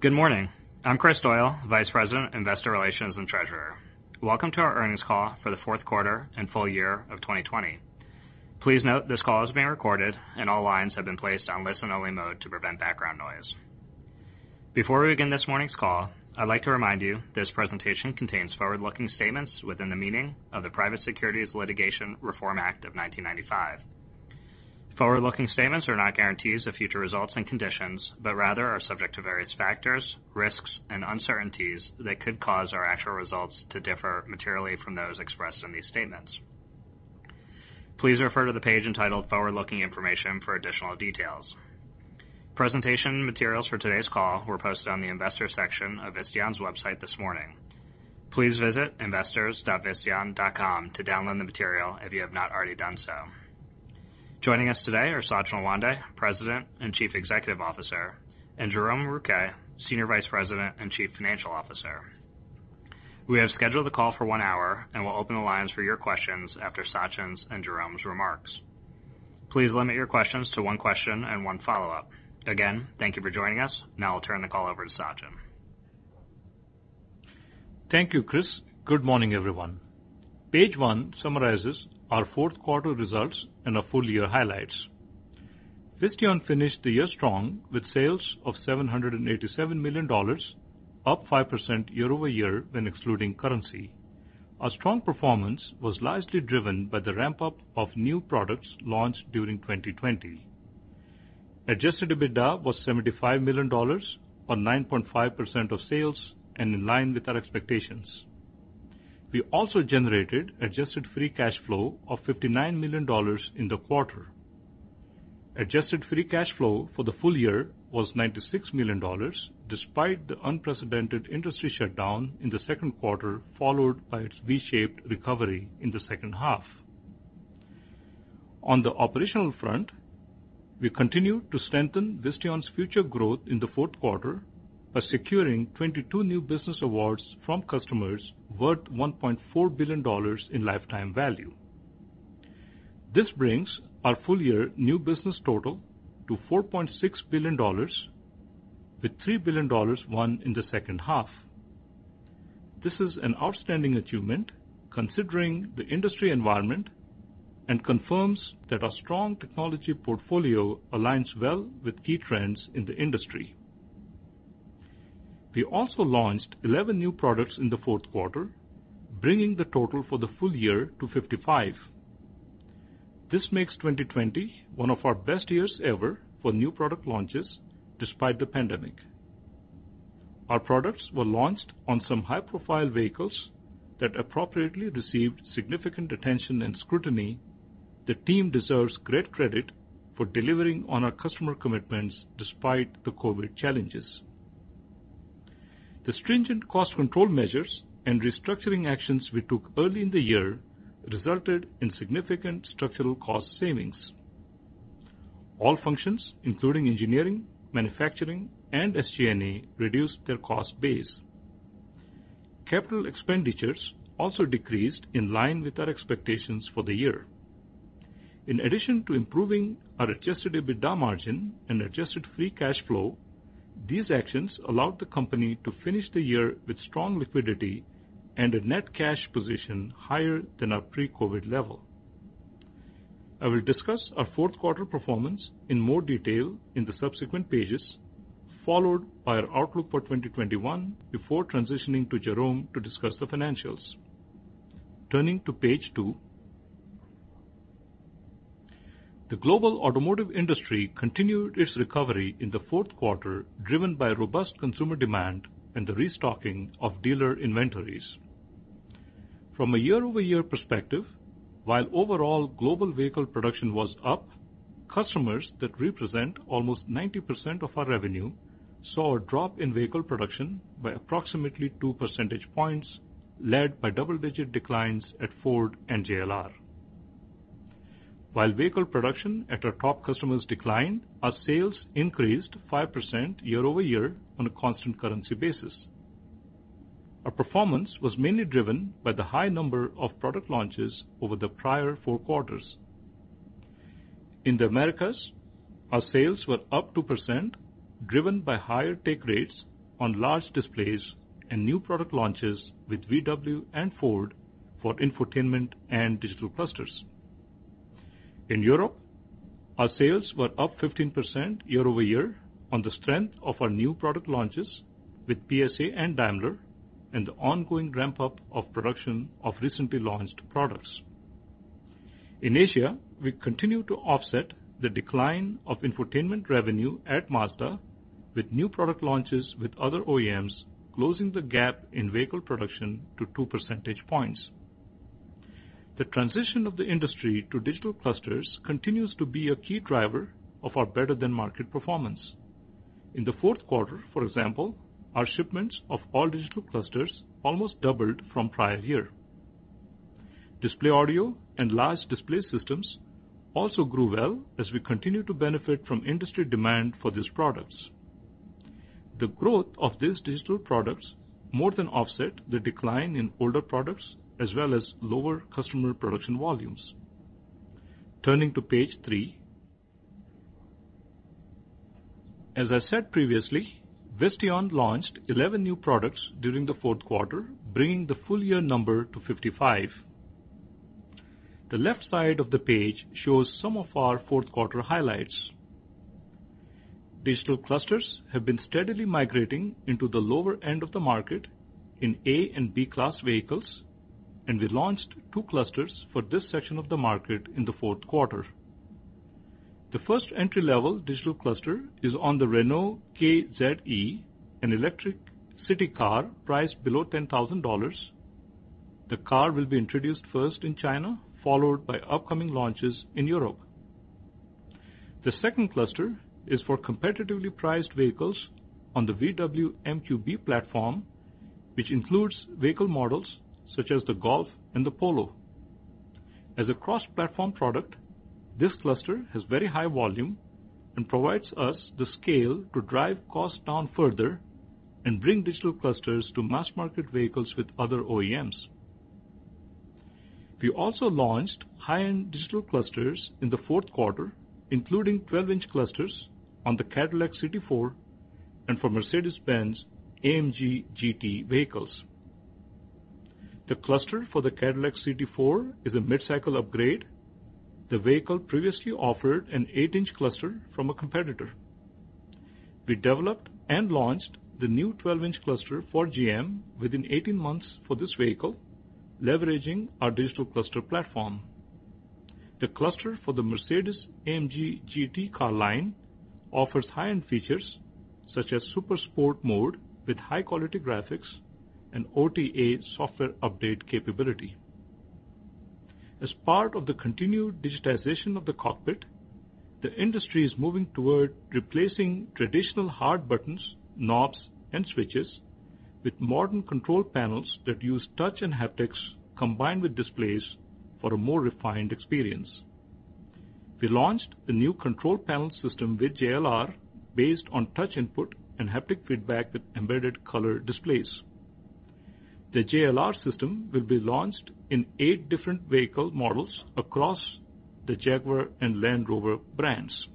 Good morning. I'm Kris Doyle, Vice President, Investor Relations and Treasurer. Welcome to our Earnings Call for the Q4 and Full Year of 2020. Please note this call is being recorded and all lines have been placed on listen-only mode to prevent background noise. Before we begin this morning's call, I'd like to remind you this presentation contains forward-looking statements within the meaning of the Private Securities Litigation Reform Act of 1995. Forward-looking statements are not guarantees of future results and conditions, but rather are subject to various factors, risks, and uncertainties that could cause our actual results to differ materially from those expressed in these statements. Please refer to the page entitled Forward-Looking Information for additional details. Presentation materials for today's call were posted on the Investors section of Visteon's website this morning. Please visit investors.visteon.com to download the material if you have not already done so. Joining us today are Sachin Lawande, President and Chief Executive Officer, and Jerome Rouquet, Senior Vice President and Chief Financial Officer. We have scheduled the call for one hour and will open the lines for your questions after Sachin's and Jerome's remarks. Please limit your questions to one question and one follow-up. Again, thank you for joining us. Now I'll turn the call over to Sachin. Thank you, Kris. Good morning, everyone. Page 1 summarizes our Q4 results and our full year highlights. Visteon finished the year strong with sales of $787 million, up 5% year-over-year when excluding currency. Our strong performance was largely driven by the ramp-up of new products launched during 2020. Adjusted EBITDA was $75 million or 9.5% of sales, and in line with our expectations. We also generated adjusted free cash flow of $59 million in the quarter. Adjusted free cash flow for the full year was $96 million, despite the unprecedented industry shutdown in the Q2, followed by its V-shaped recovery in the second half. On the operational front, we continued to strengthen Visteon's future growth in the Q4 by securing 22 new business awards from customers worth $1.4 billion in lifetime value. This brings our full year new business total to $4.6 billion, with $3 billion won in the second half. This is an outstanding achievement considering the industry environment and confirms that our strong technology portfolio aligns well with key trends in the industry. We also launched 11 new products in the Q4, bringing the total for the full year to 55. This makes 2020 one of our best years ever for new product launches despite the pandemic. Our products were launched on some high-profile vehicles that appropriately received significant attention and scrutiny. The team deserves great credit for delivering on our customer commitments despite the COVID-19 challenges. The stringent cost control measures and restructuring actions we took early in the year resulted in significant structural cost savings. All functions, including engineering, manufacturing, and SG&A, reduced their cost base. Capital expenditures also decreased in line with our expectations for the year. In addition to improving our adjusted EBITDA margin and adjusted free cash flow, these actions allowed the company to finish the year with strong liquidity and a net cash position higher than our pre-COVID-19 level. I will discuss our Q4 performance in more detail in the subsequent pages, followed by our outlook for 2021 before transitioning to Jerome to discuss the financials. Turning to page 2. The global automotive industry continued its recovery in the Q4, driven by robust consumer demand and the restocking of dealer inventories. From a year-over-year perspective, while overall global vehicle production was up, customers that represent almost 90% of our revenue saw a drop in vehicle production by approximately 2 percentage points, led by double-digit declines at Ford and JLR. While vehicle production at our top customers declined, our sales increased 5% year-over-year on a constant currency basis. Our performance was mainly driven by the high number of product launches over the prior four quarters. In the Americas, our sales were up 2%, driven by higher take rates on large displays and new product launches with VW and Ford for infotainment and digital clusters. In Europe, our sales were up 15% year-over-year on the strength of our new product launches with PSA and Daimler and the ongoing ramp-up of production of recently launched products. In Asia, we continued to offset the decline of infotainment revenue at Mazda with new product launches with other OEMs, closing the gap in vehicle production to 2 percentage points. The transition of the industry to digital clusters continues to be a key driver of our better than market performance. In the Q4, for example, our shipments of all digital clusters almost doubled from prior year. Display audio and large display systems also grew well as we continue to benefit from industry demand for these products. The growth of these digital products more than offset the decline in older products as well as lower customer production volumes. Turning to page 3. As I said previously, Visteon launched 11 new products during the Q4, bringing the full year number to 55. The left side of the page shows some of our Q4 highlights. Digital clusters have been steadily migrating into the lower end of the market in A and B class vehicles, and we launched two clusters for this section of the market in the Q4. The first entry-level digital cluster is on the Renault K-ZE, an electric city car priced below $10,000. The car will be introduced first in China, followed by upcoming launches in Europe. The second cluster is for competitively priced vehicles on the VW MQB platform, which includes vehicle models such as the Golf and the Polo. As a cross-platform product, this cluster has very high volume and provides us the scale to drive costs down further and bring digital clusters to mass market vehicles with other OEMs. We also launched high-end digital clusters in the Q4, including 12-inch clusters on the Cadillac CT4 and for Mercedes-Benz AMG GT vehicles. The cluster for the Cadillac CT4 is a mid-cycle upgrade. The vehicle previously offered an eight-inch cluster from a competitor. We developed and launched the new 12-inch cluster for GM within 18 months for this vehicle, leveraging our digital cluster platform. The cluster for the Mercedes AMG GT car line offers high-end features such as Super Sport mode with high-quality graphics and OTA software update capability. As part of the continued digitization of the cockpit, the industry is moving toward replacing traditional hard buttons, knobs, and switches with modern control panels that use touch and haptics combined with displays for a more refined experience. We launched the new control panel system with JLR based on touch input and haptic feedback with embedded color displays. The JLR system will be launched in eight different vehicle models across the Jaguar and Land Rover brands.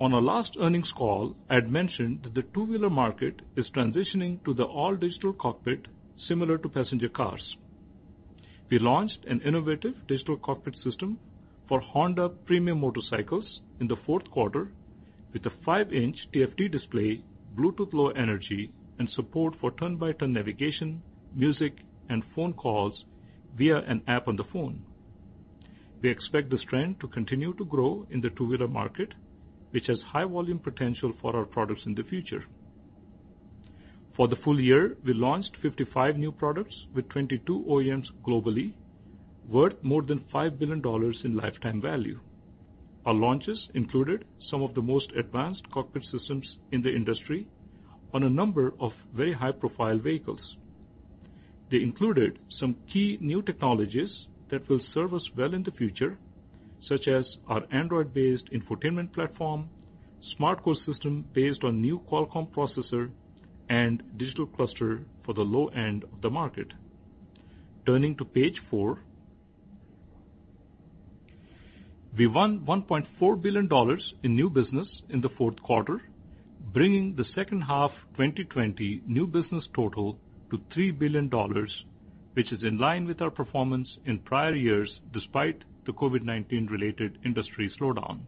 On our last earnings call, I had mentioned that the two-wheeler market is transitioning to the all-digital cockpit similar to passenger cars. We launched an innovative digital cockpit system for Honda premium motorcycles in the Q4 with a 5-inch TFT display, Bluetooth Low Energy, and support for turn-by-turn navigation, music, and phone calls via an app on the phone. We expect this trend to continue to grow in the two-wheeler market, which has high volume potential for our products in the future. For the full year, we launched 55 new products with 22 OEMs globally, worth more than $5 billion in lifetime value. Our launches included some of the most advanced cockpit systems in the industry on a number of very high-profile vehicles. They included some key new technologies that will serve us well in the future, such as our Android-based infotainment platform, SmartCore system based on new Qualcomm processor, and digital cluster for the low end of the market. Turning to page 4. We won $1.4 billion in new business in the Q4, bringing the second half 2020 new business total to $3 billion, which is in line with our performance in prior years despite the COVID-19 related industry slowdown.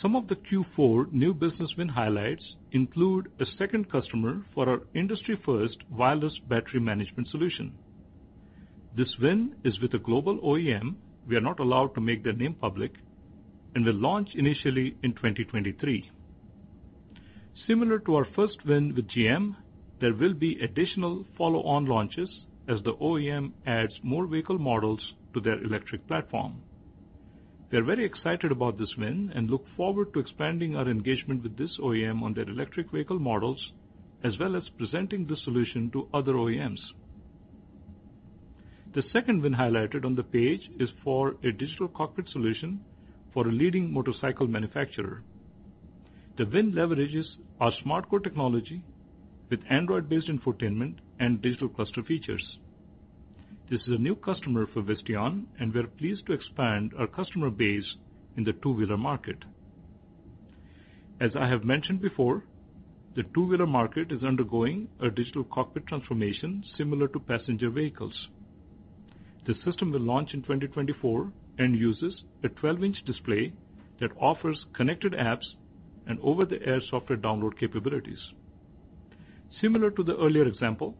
Some of the Q4 new business win highlights include a second customer for our industry first wireless battery management solution. This win is with a global OEM, we are not allowed to make their name public, and will launch initially in 2023. Similar to our first win with GM, there will be additional follow-on launches as the OEM adds more vehicle models to their electric platform. We are very excited about this win and look forward to expanding our engagement with this OEM on their electric vehicle models, as well as presenting the solution to other OEMs. The second win highlighted on the page is for a digital cockpit solution for a leading motorcycle manufacturer. The win leverages our SmartCore technology with Android-based infotainment and digital cluster features. This is a new customer for Visteon, and we're pleased to expand our customer base in the two-wheeler market. As I have mentioned before, the two-wheeler market is undergoing a digital cockpit transformation similar to passenger vehicles. The system will launch in 2024 and uses a 12-inch display that offers connected apps and over-the-air software download capabilities. Similar to the earlier example,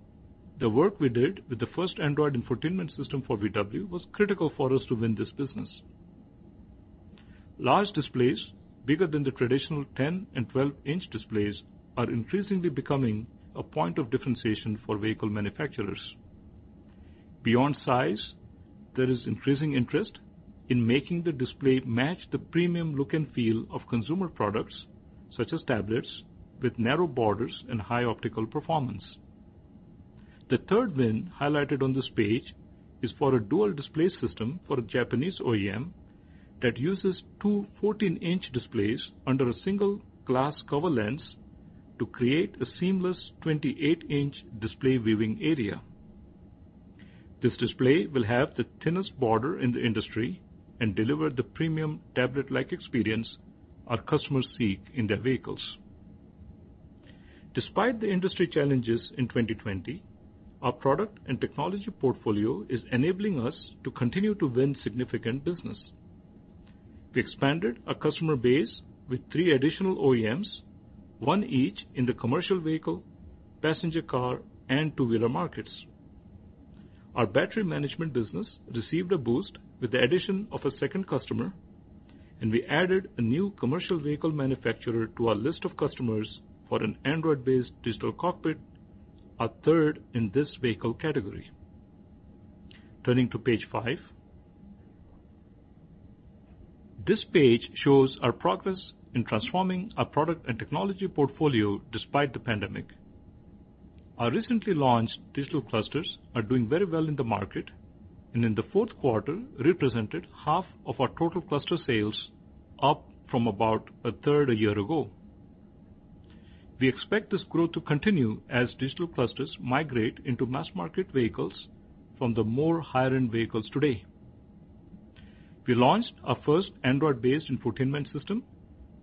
the work we did with the first Android infotainment system for VW was critical for us to win this business. Large displays bigger than the traditional 10 and 12-inch displays are increasingly becoming a point of differentiation for vehicle manufacturers. Beyond size, there is increasing interest in making the display match the premium look and feel of consumer products such as tablets with narrow borders and high optical performance. The third win highlighted on this page is for a dual display system for a Japanese OEM that uses two 14-inch displays under a single glass cover lens to create a seamless 28-inch display viewing area. This display will have the thinnest border in the industry and deliver the premium tablet-like experience our customers seek in their vehicles. Despite the industry challenges in 2020, our product and technology portfolio is enabling us to continue to win significant business. We expanded our customer base with three additional OEMs, one each in the commercial vehicle, passenger car, and two-wheeler markets. Our battery management business received a boost with the addition of a second customer. We added a new commercial vehicle manufacturer to our list of customers for an Android-based digital cockpit, our third in this vehicle category. Turning to page 5. This page shows our progress in transforming our product and technology portfolio despite the pandemic. Our recently launched digital clusters are doing very well in the market and in the Q4 represented half of our total cluster sales, up from about a third a year ago. We expect this growth to continue as digital clusters migrate into mass-market vehicles from the more higher-end vehicles today. We launched our first Android-based infotainment system.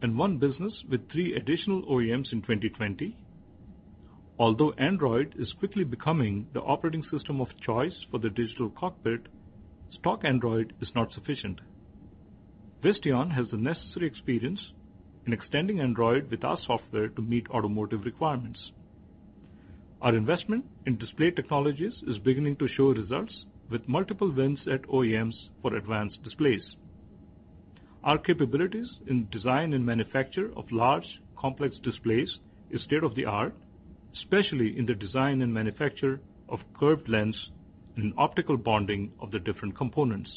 We won business with three additional OEMs in 2020. Although Android is quickly becoming the operating system of choice for the digital cockpit, stock Android is not sufficient. Visteon has the necessary experience in extending Android with our software to meet automotive requirements. Our investment in display technologies is beginning to show results with multiple wins at OEMs for advanced displays. Our capabilities in design and manufacture of large, complex displays is state-of-the-art, especially in the design and manufacture of curved lens and optical bonding of the different components.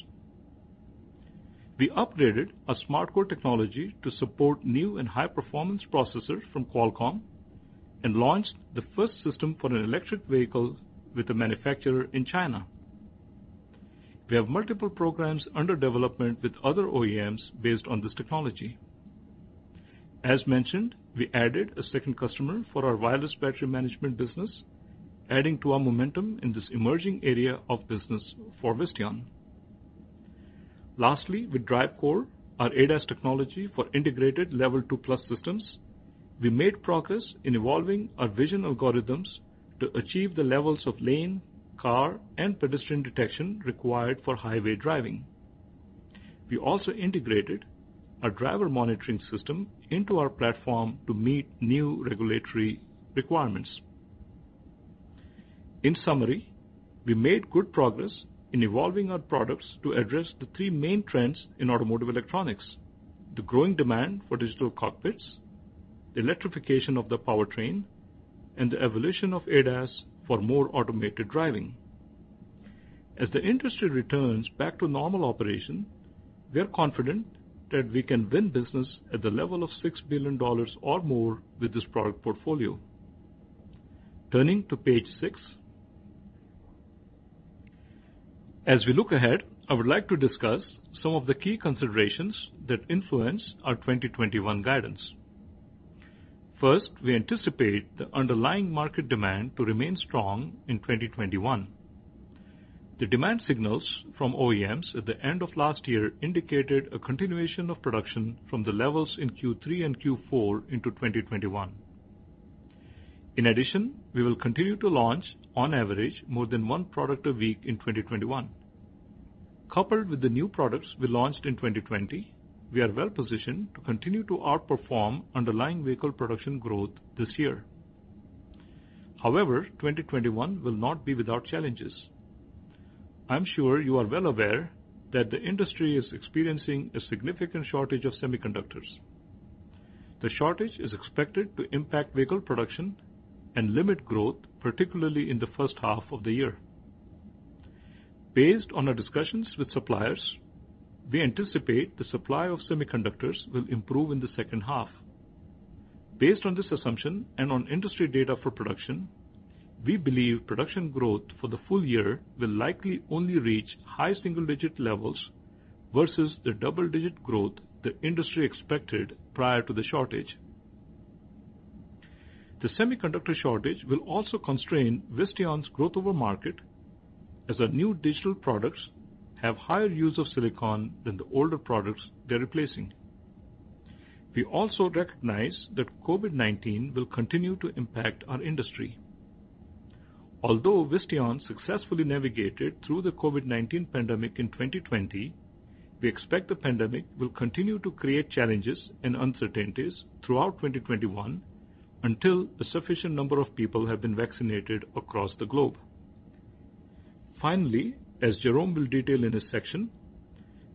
We upgraded our SmartCore technology to support new and high-performance processors from Qualcomm and launched the first system for an electric vehicle with a manufacturer in China. We have multiple programs under development with other OEMs based on this technology. As mentioned, we added a second customer for our wireless battery management business, adding to our momentum in this emerging area of business for Visteon. Lastly, with DriveCore, our ADAS technology for integrated Level 2+ systems, we made progress in evolving our vision algorithms to achieve the levels of lane, car, and pedestrian detection required for highway driving. We also integrated our driver monitoring system into our platform to meet new regulatory requirements. In summary, we made good progress in evolving our products to address the three main trends in automotive electronics, the growing demand for digital cockpits, the electrification of the powertrain, and the evolution of ADAS for more automated driving. As the industry returns back to normal operation, we are confident that we can win business at the level of $6 billion or more with this product portfolio. Turning to page 6. As we look ahead, I would like to discuss some of the key considerations that influence our 2021 guidance. First, we anticipate the underlying market demand to remain strong in 2021. The demand signals from OEMs at the end of last year indicated a continuation of production from the levels in Q3 and Q4 into 2021. In addition, we will continue to launch, on average, more than one product a week in 2021. Coupled with the new products we launched in 2020, we are well positioned to continue to outperform underlying vehicle production growth this year. However, 2021 will not be without challenges. I'm sure you are well aware that the industry is experiencing a significant shortage of semiconductors. The shortage is expected to impact vehicle production and limit growth, particularly in the first half of the year. Based on our discussions with suppliers, we anticipate the supply of semiconductors will improve in the second half. Based on this assumption and on industry data for production, we believe production growth for the full year will likely only reach high single-digit levels versus the double-digit growth the industry expected prior to the shortage. The semiconductor shortage will also constrain Visteon's growth over market as our new digital products have higher use of silicon than the older products they're replacing. We also recognize that COVID-19 will continue to impact our industry. Although Visteon successfully navigated through the COVID-19 pandemic in 2020, we expect the pandemic will continue to create challenges and uncertainties throughout 2021 until a sufficient number of people have been vaccinated across the globe. Finally, as Jerome will detail in his section,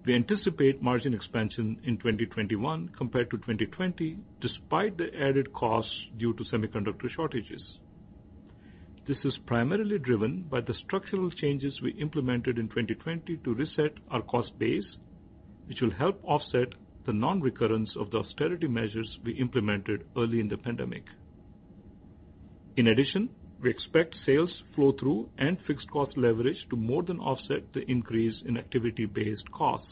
we anticipate margin expansion in 2021 compared to 2020, despite the added costs due to semiconductor shortages. This is primarily driven by the structural changes we implemented in 2020 to reset our cost base, which will help offset the non-recurrence of the austerity measures we implemented early in the pandemic. In addition, we expect sales flow-through and fixed cost leverage to more than offset the increase in activity-based costs.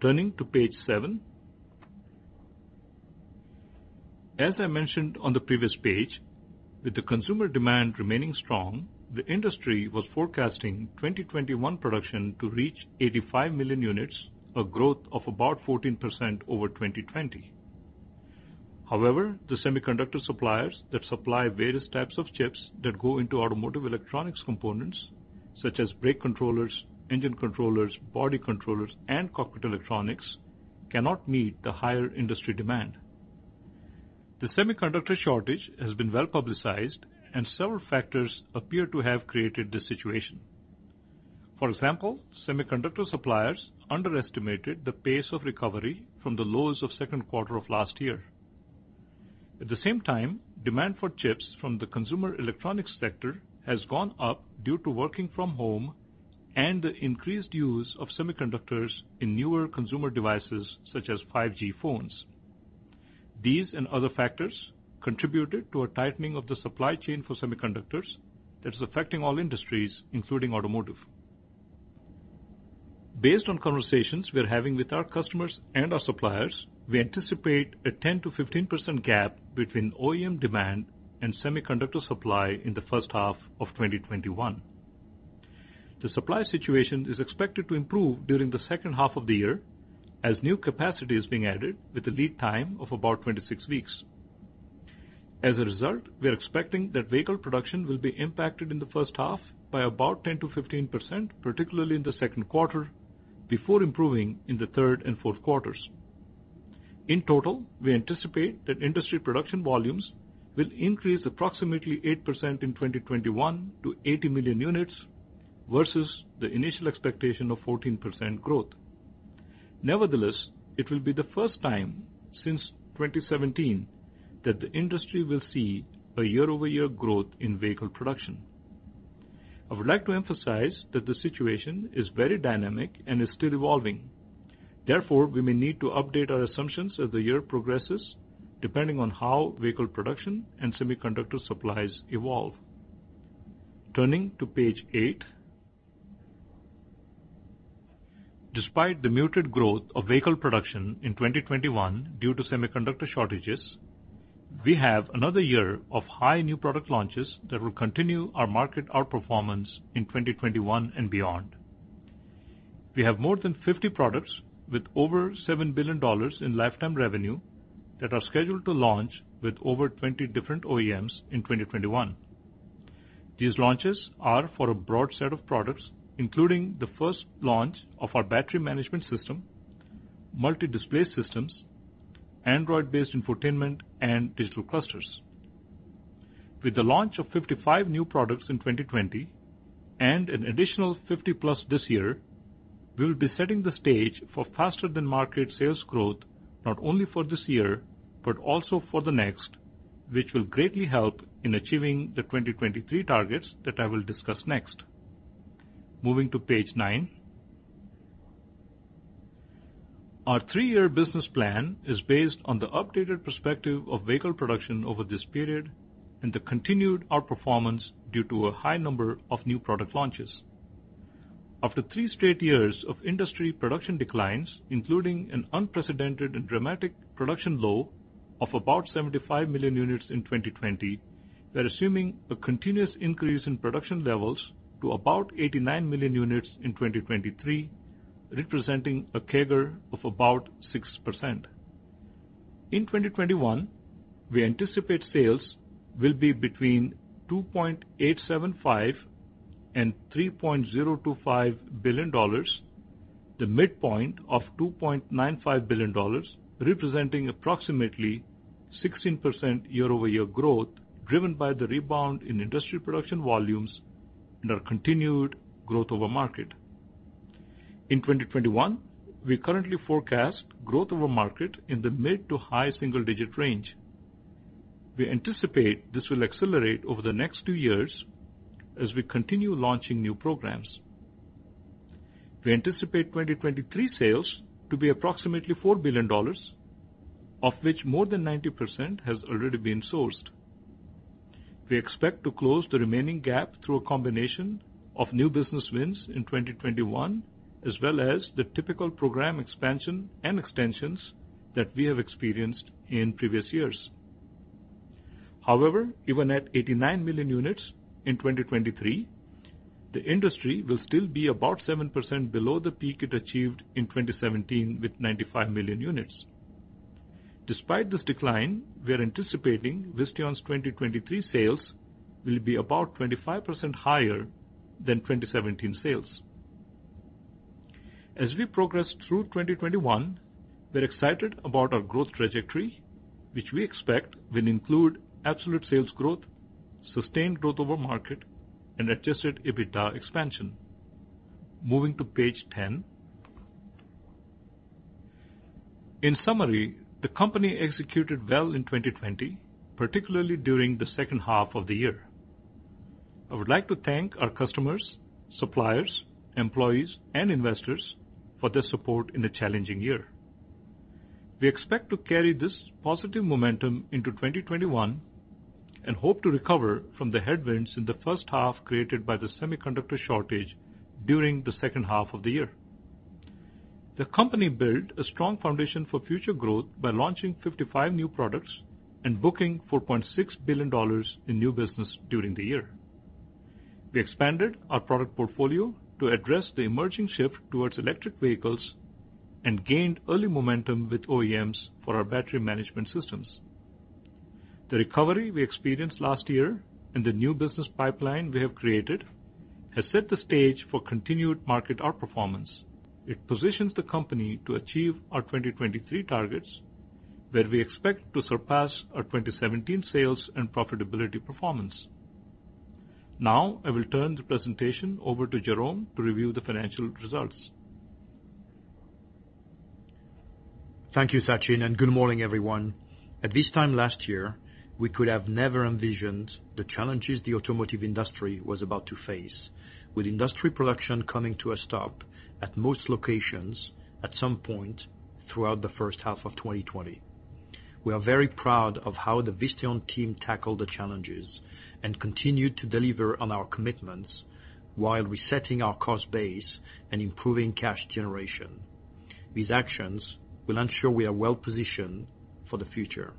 Turning to page 7. As I mentioned on the previous page, with the consumer demand remaining strong, the industry was forecasting 2021 production to reach 85 million units, a growth of about 14% over 2020. However, the semiconductor suppliers that supply various types of chips that go into automotive electronics components such as brake controllers, engine controllers, body controllers, and cockpit electronics, cannot meet the higher industry demand. The semiconductor shortage has been well-publicized, and several factors appear to have created this situation. For example, semiconductor suppliers underestimated the pace of recovery from the lows of Q2 of last year. At the same time, demand for chips from the consumer electronics sector has gone up due to working from home and the increased use of semiconductors in newer consumer devices such as 5G phones. These and other factors contributed to a tightening of the supply chain for semiconductors that is affecting all industries, including automotive. Based on conversations we are having with our customers and our suppliers, we anticipate a 10%-15% gap between OEM demand and semiconductor supply in the first half of 2021. The supply situation is expected to improve during the second half of the year as new capacity is being added with a lead time of about 26 weeks. As a result, we are expecting that vehicle production will be impacted in the first half by about 10%-15%, particularly in the Q2, before improving in the Q3 and Q4. In total, we anticipate that industry production volumes will increase approximately 8% in 2021 to 80 million units versus the initial expectation of 14% growth. Nevertheless, it will be the first time since 2017 that the industry will see a year-over-year growth in vehicle production. I would like to emphasize that the situation is very dynamic and is still evolving. Therefore, we may need to update our assumptions as the year progresses, depending on how vehicle production and semiconductor supplies evolve. Turning to page 8. Despite the muted growth of vehicle production in 2021 due to semiconductor shortages, we have another year of high new product launches that will continue our market outperformance in 2021 and beyond. We have more than 50 products with over $7 billion in lifetime revenue that are scheduled to launch with over 20 different OEMs in 2021. These launches are for a broad set of products, including the first launch of our battery management system, multi-display systems, Android-based infotainment, and digital clusters. With the launch of 55 new products in 2020 and an additional 50-plus this year, we will be setting the stage for faster-than-market sales growth, not only for this year, but also for the next, which will greatly help in achieving the 2023 targets that I will discuss next. Moving to page 9. Our three-year business plan is based on the updated perspective of vehicle production over this period and the continued outperformance due to a high number of new product launches. After three straight years of industry production declines, including an unprecedented and dramatic production low of about 75 million units in 2020, we are assuming a continuous increase in production levels to about 89 million units in 2023, representing a CAGR of about 6%. In 2021, we anticipate sales will be between $2.875 billion and $3.025 billion, the midpoint of $2.95 billion, representing approximately 16% year-over-year growth, driven by the rebound in industry production volumes and our continued growth over market. In 2021, we currently forecast growth over market in the mid to high single-digit range. We anticipate this will accelerate over the next two years as we continue launching new programs. We anticipate 2023 sales to be approximately $4 billion, of which more than 90% has already been sourced. We expect to close the remaining gap through a combination of new business wins in 2021, as well as the typical program expansion and extensions that we have experienced in previous years. Even at 89 million units in 2023, the industry will still be about 7% below the peak it achieved in 2017 with 95 million units. Despite this decline, we are anticipating Visteon's 2023 sales will be about 25% higher than 2017 sales. As we progress through 2021, we are excited about our growth trajectory, which we expect will include absolute sales growth, sustained growth over market, and adjusted EBITDA expansion. Moving to page 10. In summary, the company executed well in 2020, particularly during the second half of the year. I would like to thank our customers, suppliers, employees, and investors for their support in a challenging year. We expect to carry this positive momentum into 2021, and hope to recover from the headwinds in the first half created by the semiconductor shortage during the second half of the year. The company built a strong foundation for future growth by launching 55 new products and booking $4.6 billion in new business during the year. We expanded our product portfolio to address the emerging shift towards electric vehicles and gained early momentum with OEMs for our battery management systems. The recovery we experienced last year and the new business pipeline we have created has set the stage for continued market outperformance. It positions the company to achieve our 2023 targets, where we expect to surpass our 2017 sales and profitability performance. Now, I will turn the presentation over to Jerome to review the financial results. Thank you, Sachin, and good morning, everyone. At this time last year, we could have never envisioned the challenges the automotive industry was about to face, with industry production coming to a stop at most locations at some point throughout the first half of 2020. We are very proud of how the Visteon team tackled the challenges and continued to deliver on our commitments while resetting our cost base and improving cash generation. These actions will ensure we are well-positioned for the future.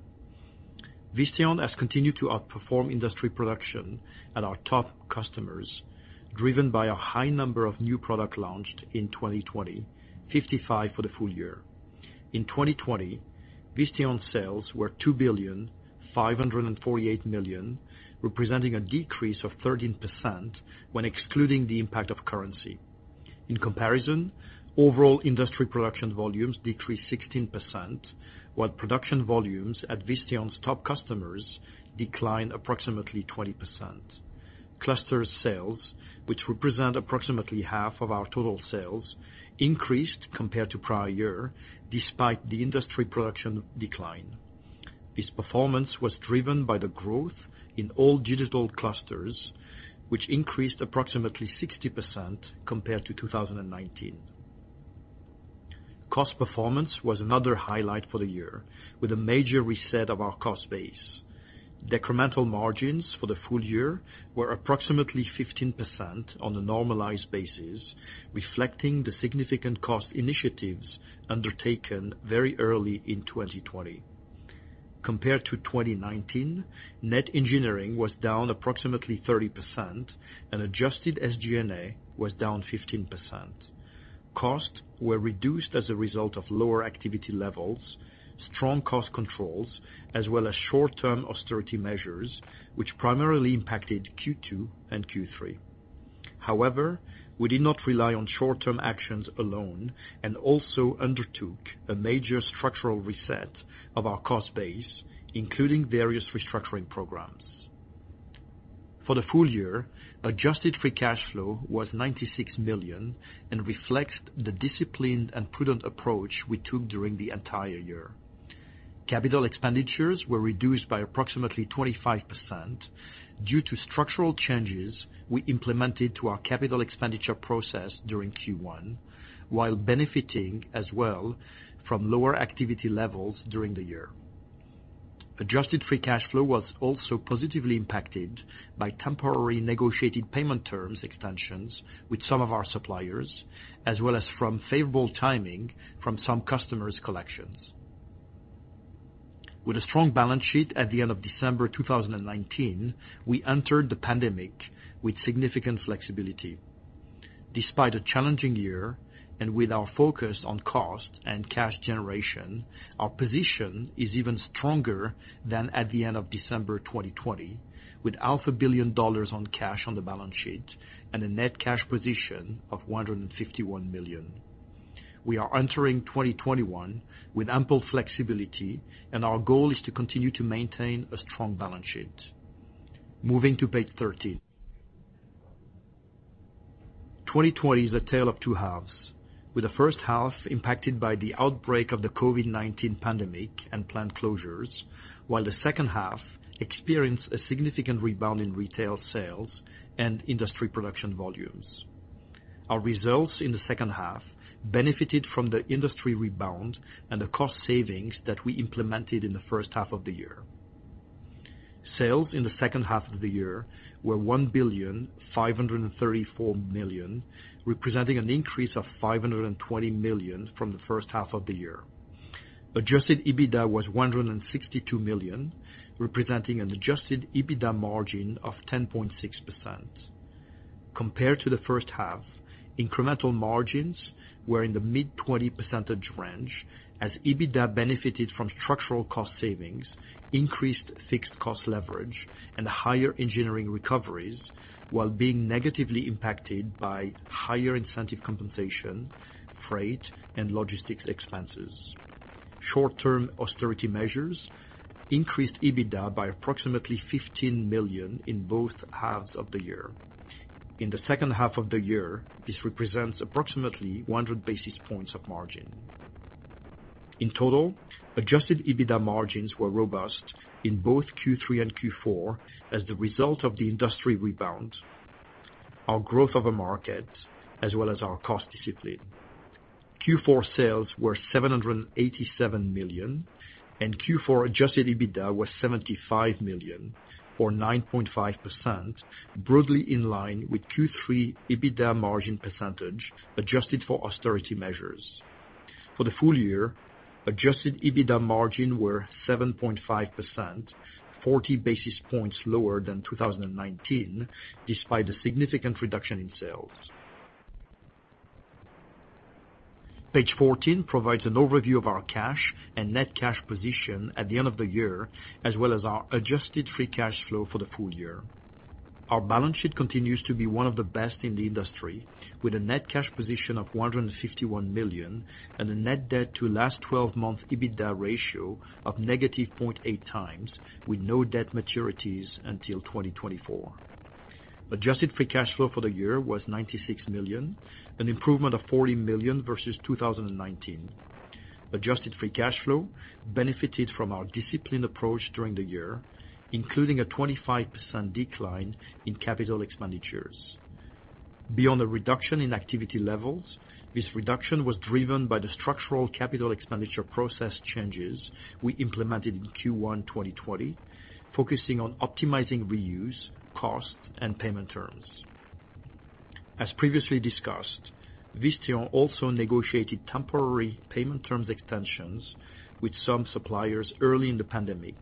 Visteon has continued to outperform industry production at our top customers, driven by a high number of new product launched in 2020, 55 for the full year. In 2020, Visteon sales were $2.548 billion, representing a decrease of 13% when excluding the impact of currency. In comparison, overall industry production volumes decreased 16%, while production volumes at Visteon's top customers declined approximately 20%. Cluster sales, which represent approximately half of our total sales, increased compared to prior year despite the industry production decline. This performance was driven by the growth in all digital clusters, which increased approximately 60% compared to 2019. Cost performance was another highlight for the year, with a major reset of our cost base. Decremental margins for the full year were approximately 15% on a normalized basis, reflecting the significant cost initiatives undertaken very early in 2020. Compared to 2019, net engineering was down approximately 30%, and adjusted SG&A was down 15%. Costs were reduced as a result of lower activity levels, strong cost controls, as well as short-term austerity measures, which primarily impacted Q2 and Q3. However, we did not rely on short-term actions alone and also undertook a major structural reset of our cost base, including various restructuring programs. For the full year, adjusted free cash flow was $96 million and reflects the disciplined and prudent approach we took during the entire year. Capital expenditures were reduced by approximately 25% due to structural changes we implemented to our capital expenditure process during Q1, while benefiting as well from lower activity levels during the year. Adjusted free cash flow was also positively impacted by temporary negotiated payment terms extensions with some of our suppliers, as well as from favorable timing from some customers' collections. With a strong balance sheet at the end of December 2019, we entered the pandemic with significant flexibility. Despite a challenging year and with our focus on cost and cash generation, our position is even stronger than at the end of December 2020, with half a billion dollars on cash on the balance sheet and a net cash position of $151 million. We are entering 2021 with ample flexibility. Our goal is to continue to maintain a strong balance sheet. Moving to page 13. 2020 is a tale of two halves, with the first half impacted by the outbreak of the COVID-19 pandemic and plant closures, while the second half experienced a significant rebound in retail sales and industry production volumes. Our results in the second half benefited from the industry rebound and the cost savings that we implemented in the first half of the year. Sales in the second half of the year were $1.534 billion, representing an increase of $520 million from the first half of the year. Adjusted EBITDA was $162 million, representing an adjusted EBITDA margin of 10.6%. Compared to the first half, incremental margins were in the mid-20% range as EBITDA benefited from structural cost savings, increased fixed cost leverage, and higher engineering recoveries, while being negatively impacted by higher incentive compensation, freight, and logistics expenses. Short-term austerity measures increased EBITDA by approximately $15 million in both halves of the year. In the second half of the year, this represents approximately 100 basis points of margin. In total, adjusted EBITDA margins were robust in both Q3 and Q4 as the result of the industry rebound, our growth of a market, as well as our cost discipline. Q4 sales were $787 million, and Q4 adjusted EBITDA was $75 million or 9.5%, broadly in line with Q3 EBITDA margin percentage, adjusted for austerity measures. For the full year, adjusted EBITDA margin were 7.5%, 40 basis points lower than 2019, despite a significant reduction in sales. Page 14 provides an overview of our cash and net cash position at the end of the year, as well as our adjusted free cash flow for the full year. Our balance sheet continues to be one of the best in the industry, with a net cash position of $151 million and a net debt to last 12 months EBITDA ratio of -0.8x with no debt maturities until 2024. Adjusted free cash flow for the year was $96 million, an improvement of $40 million versus 2019. Adjusted free cash flow benefited from our disciplined approach during the year, including a 25% decline in capital expenditures. Beyond the reduction in activity levels, this reduction was driven by the structural capital expenditure process changes we implemented in Q1 2020, focusing on optimizing reuse, cost, and payment terms. As previously discussed, Visteon also negotiated temporary payment terms extensions with some suppliers early in the pandemic,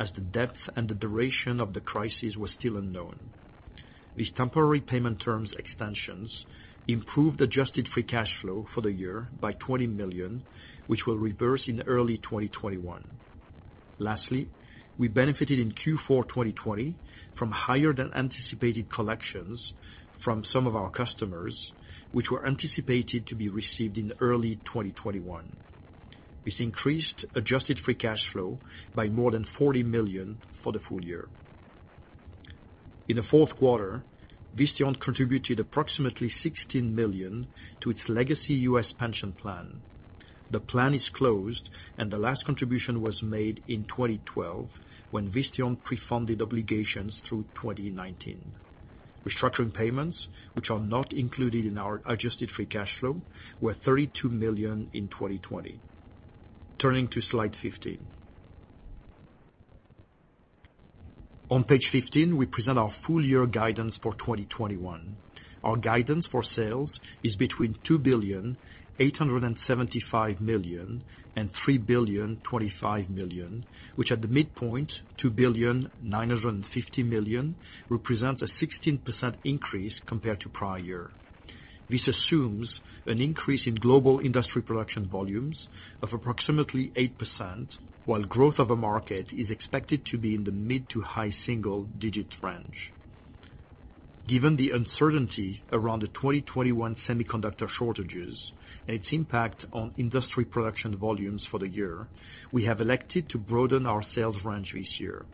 as the depth and the duration of the crisis was still unknown. These temporary payment terms extensions improved adjusted free cash flow for the year by $20 million, which will reverse in early 2021. Lastly, we benefited in Q4 2020 from higher than anticipated collections from some of our customers, which were anticipated to be received in early 2021. This increased adjusted free cash flow by more than $40 million for the full year. In the Q4, Visteon contributed approximately $16 million to its legacy U.S. pension plan. The plan is closed, and the last contribution was made in 2012, when Visteon pre-funded obligations through 2019. Restructuring payments, which are not included in our adjusted free cash flow, were $32 million in 2020. Turning to slide 15. On page 15, we present our full year guidance for 2021. Our guidance for sales is between $2.875 billion and $3.025 billion, which at the midpoint, $2.95 billion represents a 16% increase compared to prior year. This assumes an increase in global industry production volumes of approximately 8%, while growth of a market is expected to be in the mid to high single digits range. Given the uncertainty around the 2021 semiconductor shortages and its impact on industry production volumes for the year, we have elected to broaden our sales range this year.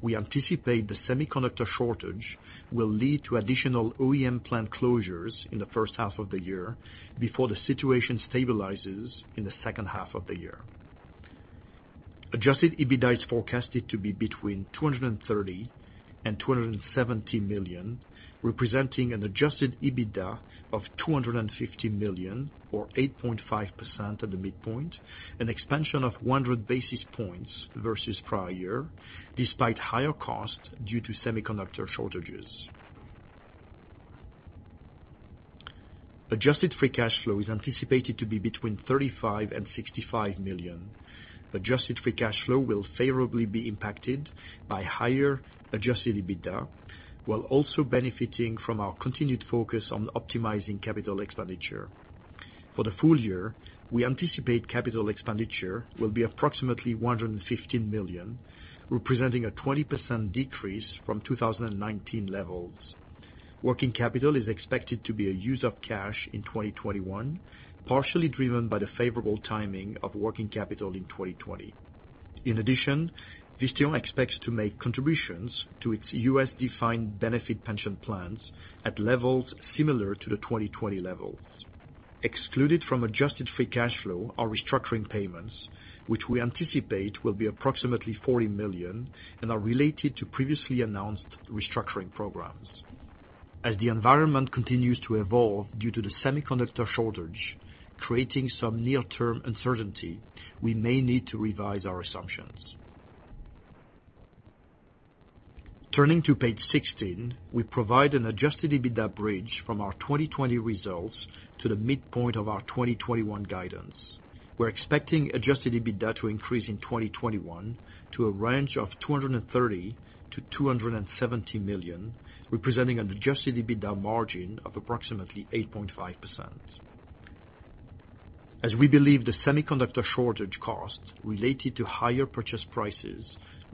We anticipate the semiconductor shortage will lead to additional OEM plant closures in the first half of the year before the situation stabilizes in the second half of the year. Adjusted EBITDA is forecasted to be between $230 million and $270 million, representing an adjusted EBITDA of $250 million or 8.5% at the midpoint, an expansion of 100 basis points versus prior year, despite higher costs due to semiconductor shortages. Adjusted free cash flow is anticipated to be between $35 million and $65 million. Adjusted free cash flow will favorably be impacted by higher adjusted EBITDA, while also benefiting from our continued focus on optimizing capital expenditure. For the full year, we anticipate capital expenditure will be approximately $115 million, representing a 20% decrease from 2019 levels. Working capital is expected to be a use of cash in 2021, partially driven by the favorable timing of working capital in 2020. Visteon expects to make contributions to its U.S. defined benefit pension plans at levels similar to the 2020 levels. Excluded from adjusted free cash flow are restructuring payments, which we anticipate will be approximately $40 million and are related to previously announced restructuring programs. As the environment continues to evolve due to the semiconductor shortage, creating some near-term uncertainty, we may need to revise our assumptions. Turning to page 16, we provide an adjusted EBITDA bridge from our 2020 results to the midpoint of our 2021 guidance. We're expecting adjusted EBITDA to increase in 2021 to a range of $230 million-$270 million, representing an adjusted EBITDA margin of approximately 8.5%. As we believe the semiconductor shortage costs related to higher purchase prices,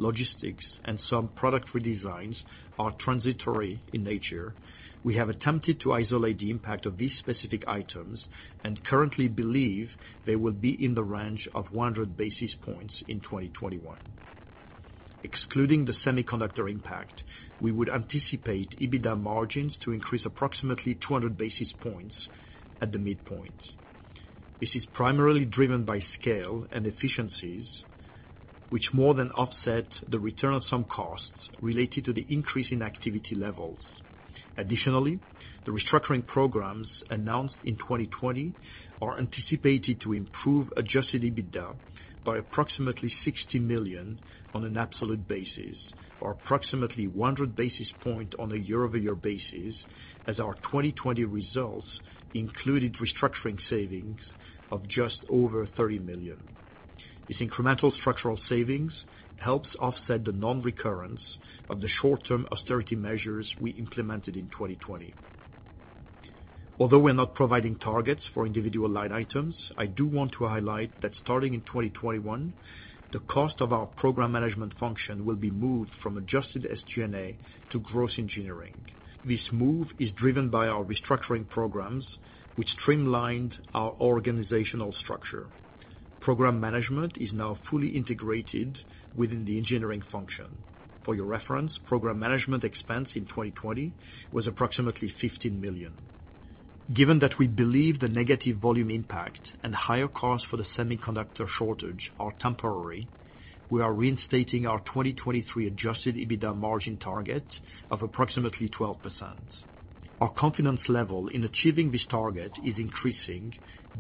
logistics, and some product redesigns are transitory in nature, we have attempted to isolate the impact of these specific items and currently believe they will be in the range of 100 basis points in 2021. Excluding the semiconductor impact, we would anticipate EBITDA margins to increase approximately 200 basis points at the midpoint. This is primarily driven by scale and efficiencies, which more than offset the return of some costs related to the increase in activity levels. Additionally, the restructuring programs announced in 2020 are anticipated to improve adjusted EBITDA by approximately $60 million on an absolute basis, or approximately 100 basis points on a year-over-year basis, as our 2020 results included restructuring savings of just over $30 million. These incremental structural savings helps offset the non-recurrence of the short-term austerity measures we implemented in 2020. Although we're not providing targets for individual line items, I do want to highlight that starting in 2021, the cost of our program management function will be moved from adjusted SG&A to gross engineering. This move is driven by our restructuring programs, which streamlined our organizational structure. Program management is now fully integrated within the engineering function. For your reference, program management expense in 2020 was approximately $15 million. Given that we believe the negative volume impact and higher cost for the semiconductor shortage are temporary, we are reinstating our 2023 adjusted EBITDA margin target of approximately 12%. Our confidence level in achieving this target is increasing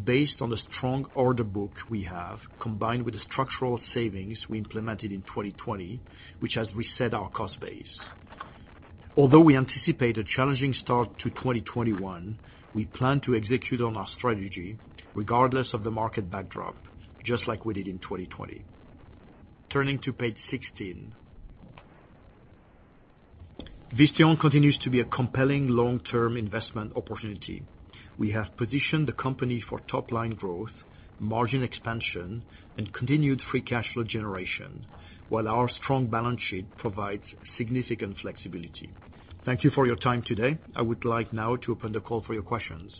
based on the strong order book we have, combined with the structural savings we implemented in 2020, which has reset our cost base. Although we anticipate a challenging start to 2021, we plan to execute on our strategy regardless of the market backdrop, just like we did in 2020. Turning to page 16. Visteon continues to be a compelling long-term investment opportunity. We have positioned the company for top-line growth, margin expansion, and continued free cash flow generation, while our strong balance sheet provides significant flexibility. Thank you for your time today. I would like now to open the call for your questions.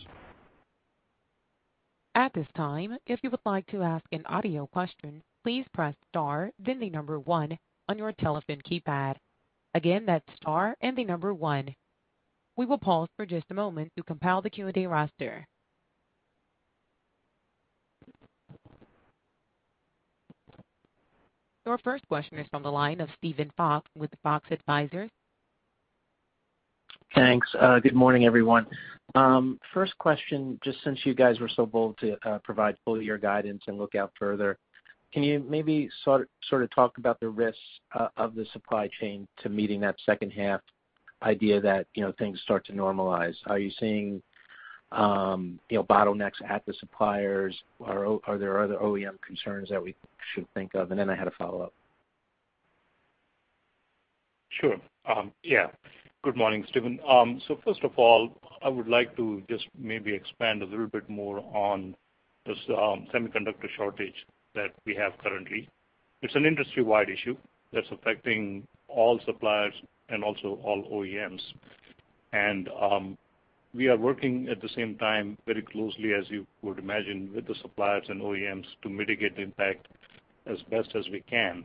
Your first question is from the line of Steven Fox with Fox Advisors. Thanks. Good morning, everyone. First question, just since you guys were so bold to provide full-year guidance and look out further, can you maybe sort of talk about the risks of the supply chain to meeting that second half idea that things start to normalize? Are you seeing bottlenecks at the suppliers? Are there other OEM concerns that we should think of? I had a follow-up. Sure. Yeah. Good morning, Steven. First of all, I would like to just maybe expand a little bit more on this semiconductor shortage that we have currently. It's an industry-wide issue that's affecting all suppliers and also all OEMs. We are working at the same time very closely, as you would imagine, with the suppliers and OEMs to mitigate the impact as best as we can.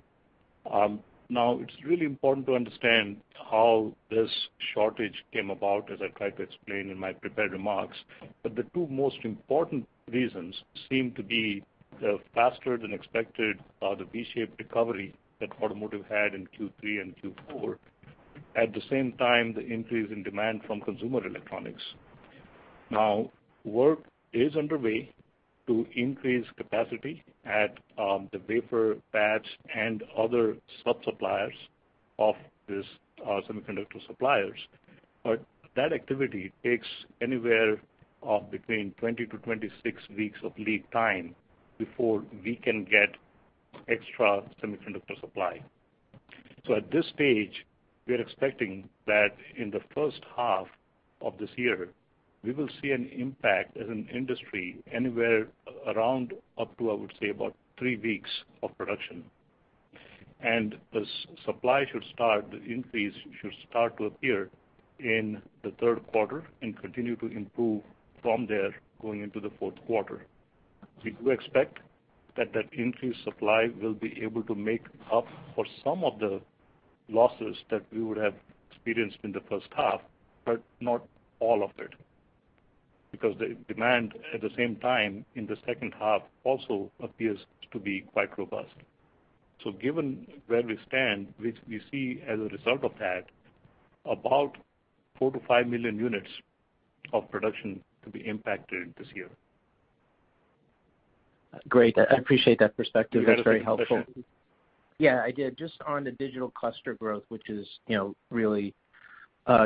It's really important to understand how this shortage came about, as I tried to explain in my prepared remarks. The two most important reasons seem to be the faster than expected, the V-shaped recovery that automotive had in Q3 and Q4. At the same time, the increase in demand from consumer electronics. Work is underway to increase capacity at the wafer fabs and other sub-suppliers of these semiconductor suppliers. That activity takes anywhere of between 20 to 26 weeks of lead time before we can get extra semiconductor supply. At this stage, we are expecting that in the first half of this year, we will see an impact as an industry anywhere around up to, I would say, about three weeks of production. The supply should start, the increase should start to appear in the Q3 and continue to improve from there going into the Q4. We do expect that that increased supply will be able to make up for some of the losses that we would have experienced in the first half, but not all of it, because the demand at the same time in the second half also appears to be quite robust. Given where we stand, which we see as a result of that, about 4 million-5 million units of production to be impacted this year. Great. I appreciate that perspective. You had a second question? That's very helpful. Yeah, I did. Just on the digital cluster growth, which is really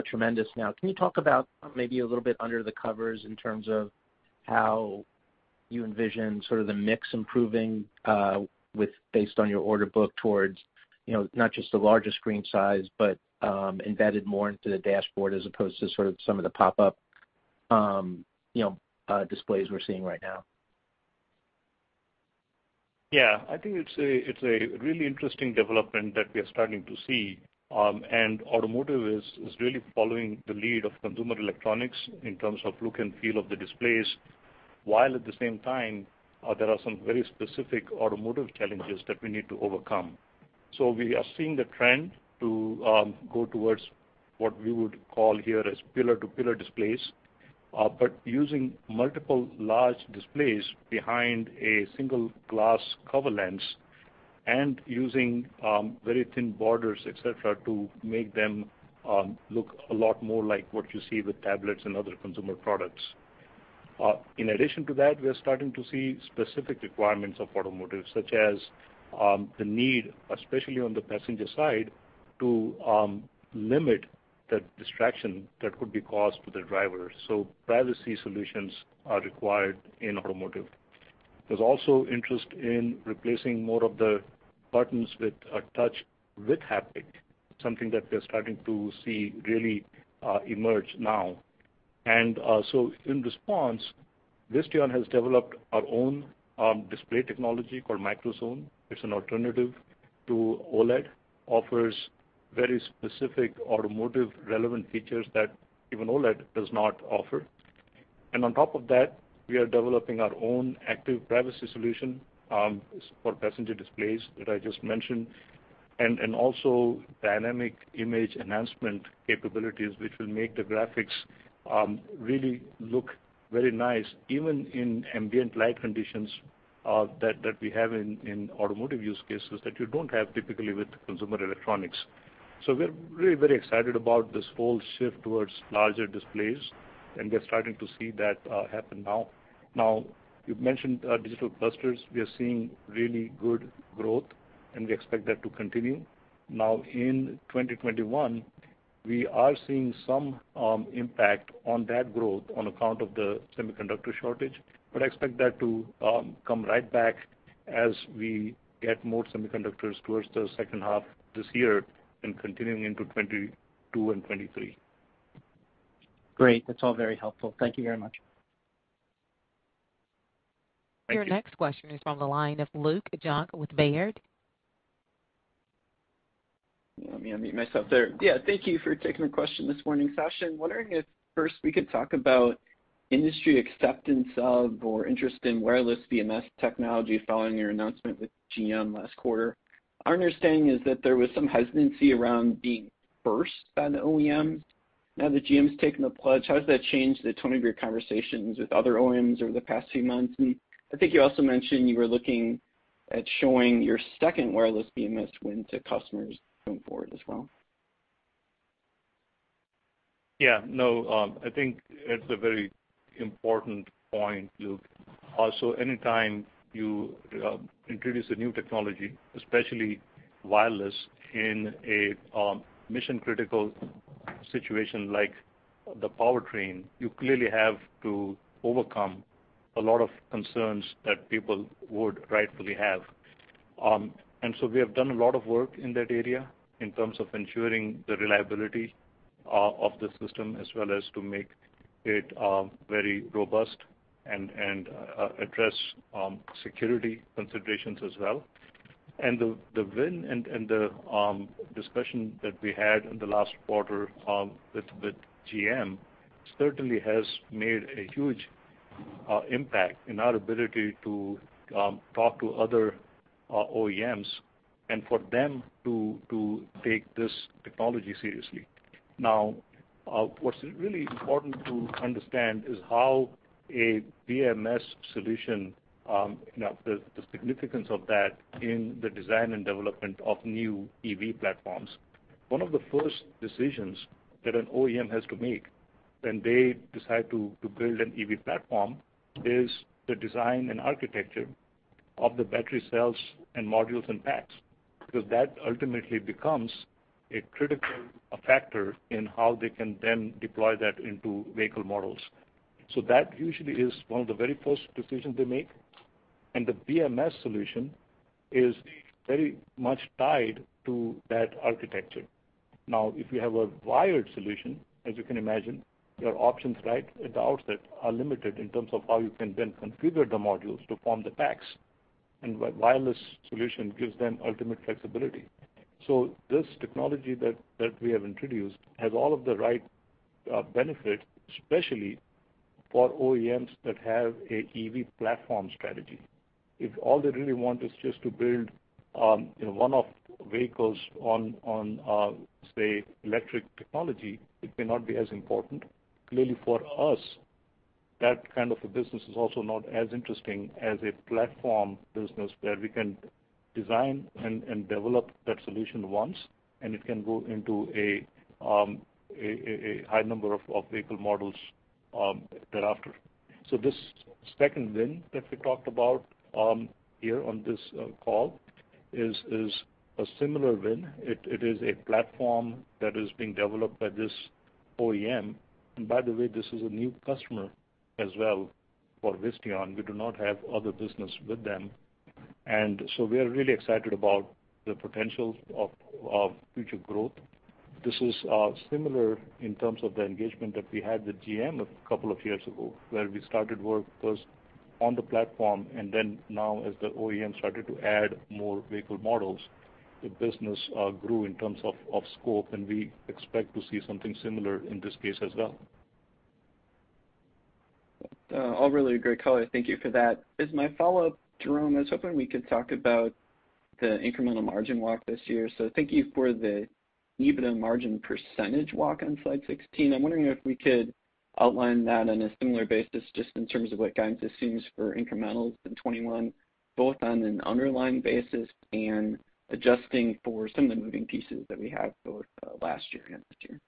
tremendous now. Can you talk about maybe a little bit under the covers in terms of how you envision sort of the mix improving based on your order book towards not just the larger screen size, but embedded more into the dashboard as opposed to sort of some of the pop-up displays we're seeing right now? Yeah, I think it's a really interesting development that we are starting to see, and automotive is really following the lead of consumer electronics in terms of look and feel of the displays. At the same time, there are some very specific automotive challenges that we need to overcome. We are seeing the trend to go towards what we would call here is pillar-to-pillar displays, but using multiple large displays behind a single glass cover lens and using very thin borders, et cetera, to make them look a lot more like what you see with tablets and other consumer products. In addition to that, we are starting to see specific requirements of automotive, such as the need, especially on the passenger side, to limit the distraction that could be caused to the driver. Privacy solutions are required in automotive. There's also interest in replacing more of the buttons with a touch with haptic, something that we're starting to see really emerge now. In response, Visteon has developed our own display technology called MicroZone. It's an alternative to OLED, offers very specific automotive relevant features that even OLED does not offer. On top of that, we are developing our own active privacy solution, for passenger displays that I just mentioned, and also dynamic image enhancement capabilities, which will make the graphics really look very nice, even in ambient light conditions that we have in automotive use cases that you don't have typically with consumer electronics. We're really very excited about this whole shift towards larger displays, and we're starting to see that happen now. Now, you've mentioned digital clusters. We are seeing really good growth, and we expect that to continue. Now in 2021, we are seeing some impact on that growth on account of the semiconductor shortage. I expect that to come right back as we get more semiconductors towards the second half this year and continuing into 2022 and 2023. Great. That's all very helpful. Thank you very much. Your next question is from the line of Luke Junk with Baird. Thank you for taking the question this morning, Sachin, wondering if first we could talk about industry acceptance of or interest in wireless BMS technology following your announcement with GM last quarter. Our understanding is that there was some hesitancy around being first by the OEMs. Now that GM's taken the plunge, how does that change the tone of your conversations with other OEMs over the past few months? I think you also mentioned you were looking at showing your second wireless BMS win to customers going forward as well. Yeah. No, I think it's a very important point, Luke. Anytime you introduce a new technology, especially wireless, in a mission-critical situation like the powertrain, you clearly have to overcome a lot of concerns that people would rightfully have. We have done a lot of work in that area in terms of ensuring the reliability of the system, as well as to make it very robust and address security considerations as well. The win and the discussion that we had in the last quarter with GM certainly has made a huge impact in our ability to talk to other OEMs and for them to take this technology seriously. What's really important to understand is how a BMS solution, the significance of that in the design and development of new EV platforms. One of the first decisions that an OEM has to make when they decide to build an EV platform is the design and architecture of the battery cells and modules and packs, because that ultimately becomes a critical factor in how they can then deploy that into vehicle models. That usually is one of the very first decisions they make, and the BMS solution is very much tied to that architecture. Now, if you have a wired solution, as you can imagine, your options right at the outset are limited in terms of how you can then configure the modules to form the packs, and wireless solution gives them ultimate flexibility. This technology that we have introduced has all of the right benefits, especially for OEMs that have an EV platform strategy. If all they really want is just to build one-off vehicles on, say, electric technology, it may not be as important. Clearly for us, that kind of a business is also not as interesting as a platform business where we can design and develop that solution once, and it can go into a high number of vehicle models thereafter. This second win that we talked about here on this call is a similar win. It is a platform that is being developed by this OEM. By the way, this is a new customer as well for Visteon. We do not have other business with them. We are really excited about the potential of future growth. This is similar in terms of the engagement that we had with GM a couple of years ago, where we started work first on the platform, and then now as the OEM started to add more vehicle models, the business grew in terms of scope, and we expect to see something similar in this case as well. All really great color. Thank you for that. As my follow-up, Jerome, I was hoping we could talk about the incremental margin walk this year. Thank you for the EBITDA margin % walk on slide 16. I'm wondering if we could outline that on a similar basis just in terms of what guidance assumes for incrementals in 2021, both on an underlying basis and adjusting for some of the moving pieces that we had both last year and this year.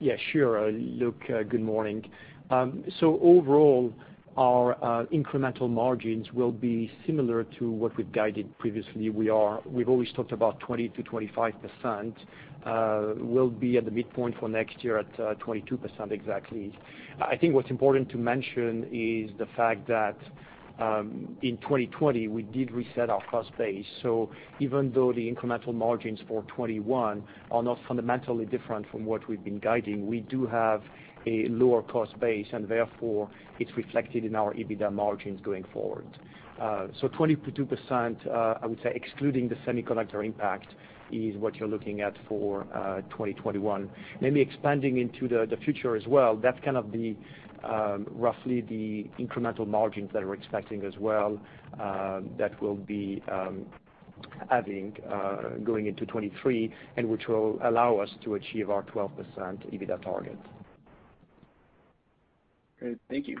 Yeah, sure, Luke. Good morning. Overall, our incremental margins will be similar to what we've guided previously. We've always talked about 20%-25%, we'll be at the midpoint for next year at 22% exactly. I think what's important to mention is the fact that in 2020, we did reset our cost base. Even though the incremental margins for 2021 are not fundamentally different from what we've been guiding, we do have a lower cost base, and therefore, it's reflected in our EBITDA margins going forward. 22%, I would say, excluding the semiconductor impact, is what you're looking at for 2021. Maybe expanding into the future as well, that's kind of roughly the incremental margins that we're expecting as well that we'll be adding going into 2023, and which will allow us to achieve our 12% EBITDA target. Great. Thank you.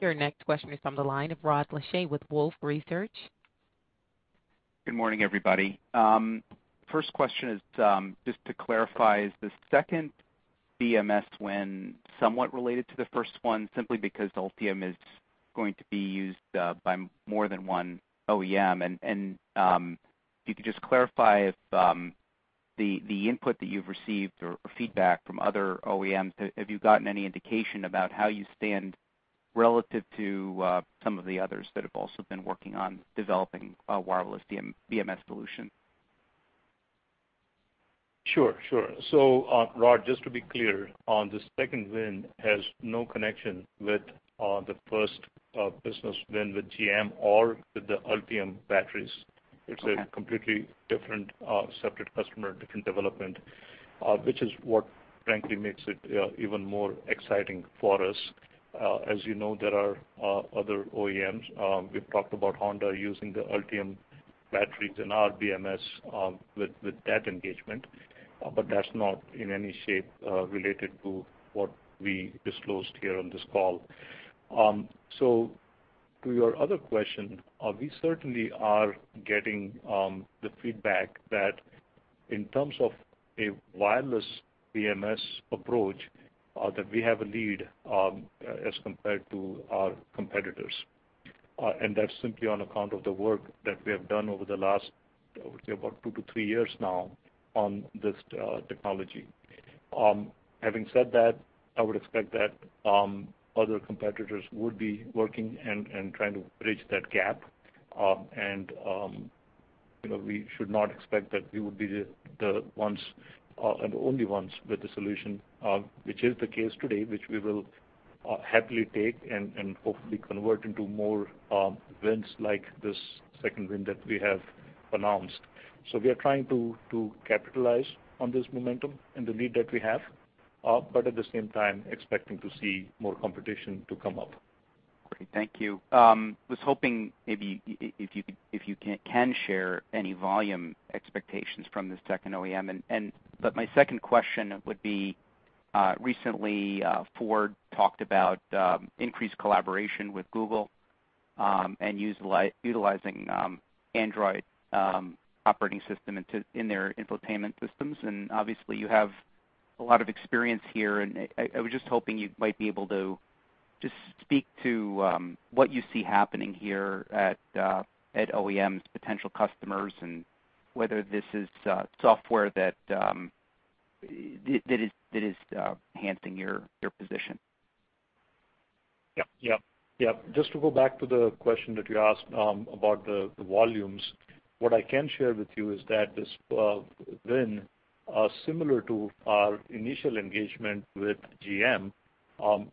Your next question is on the line of Rod Lache with Wolfe Research. Good morning, everybody. First question is just to clarify, is the second BMS win somewhat related to the first one simply because Ultium is going to be used by more than one OEM? If you could just clarify if the input that you've received or feedback from other OEMs, have you gotten any indication about how you stand relative to some of the others that have also been working on developing a wireless BMS solution? Sure. Rod, just to be clear, on the second win has no connection with the first business win with GM or with the Ultium batteries. It's a completely different, separate customer, different development, which is what frankly makes it even more exciting for us. As you know, there are other OEMs. We've talked about Honda using the Ultium batteries and our BMS with that engagement, that's not in any shape related to what we disclosed here on this call. To your other question, we certainly are getting the feedback that in terms of a wireless BMS approach, that we have a lead as compared to our competitors. That's simply on account of the work that we have done over the last, I would say, about two to three years now on this technology. Having said that, I would expect that other competitors would be working and trying to bridge that gap. We should not expect that we would be the ones and only ones with the solution, which is the case today, which we will happily take and hopefully convert into more wins like this second win that we have announced. We are trying to capitalize on this momentum and the lead that we have, but at the same time, expecting to see more competition to come up. Great. Thank you. I was hoping maybe if you can share any volume expectations from this second OEM. My second question would be, recently Ford talked about increased collaboration with Google and utilizing Android operating system in their infotainment systems. Obviously you have a lot of experience here, and I was just hoping you might be able to just speak to what you see happening here at OEMs potential customers and whether this is software that is enhancing your position. Yep. Just to go back to the question that you asked about the volumes, what I can share with you is that this win, similar to our initial engagement with GM,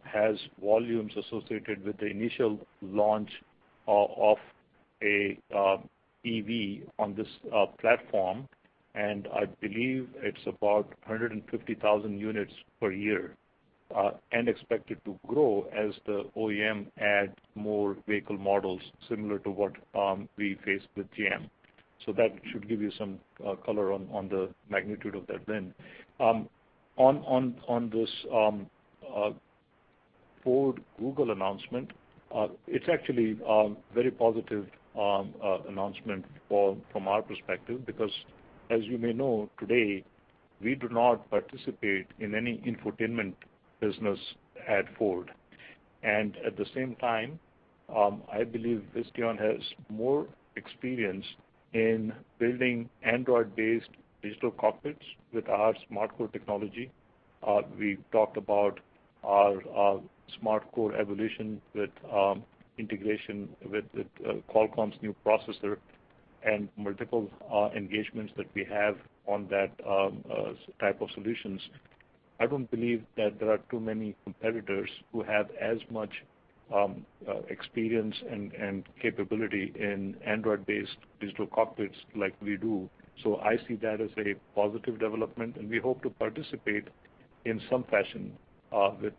has volumes associated with the initial launch of an EV on this platform, and I believe it's about 150,000 units per year, and expected to grow as the OEM adds more vehicle models similar to what we faced with GM. That should give you some color on the magnitude of that win. On this Ford Google announcement, it's actually a very positive announcement from our perspective because as you may know, today, we do not participate in any infotainment business at Ford. At the same time, I believe Visteon has more experience in building Android-based digital cockpits with our SmartCore technology. We talked about our SmartCore evolution with integration with Qualcomm's new processor. Multiple engagements that we have on that type of solutions. I don't believe that there are too many competitors who have as much experience and capability in Android-based digital cockpits like we do. I see that as a positive development, and we hope to participate in some fashion with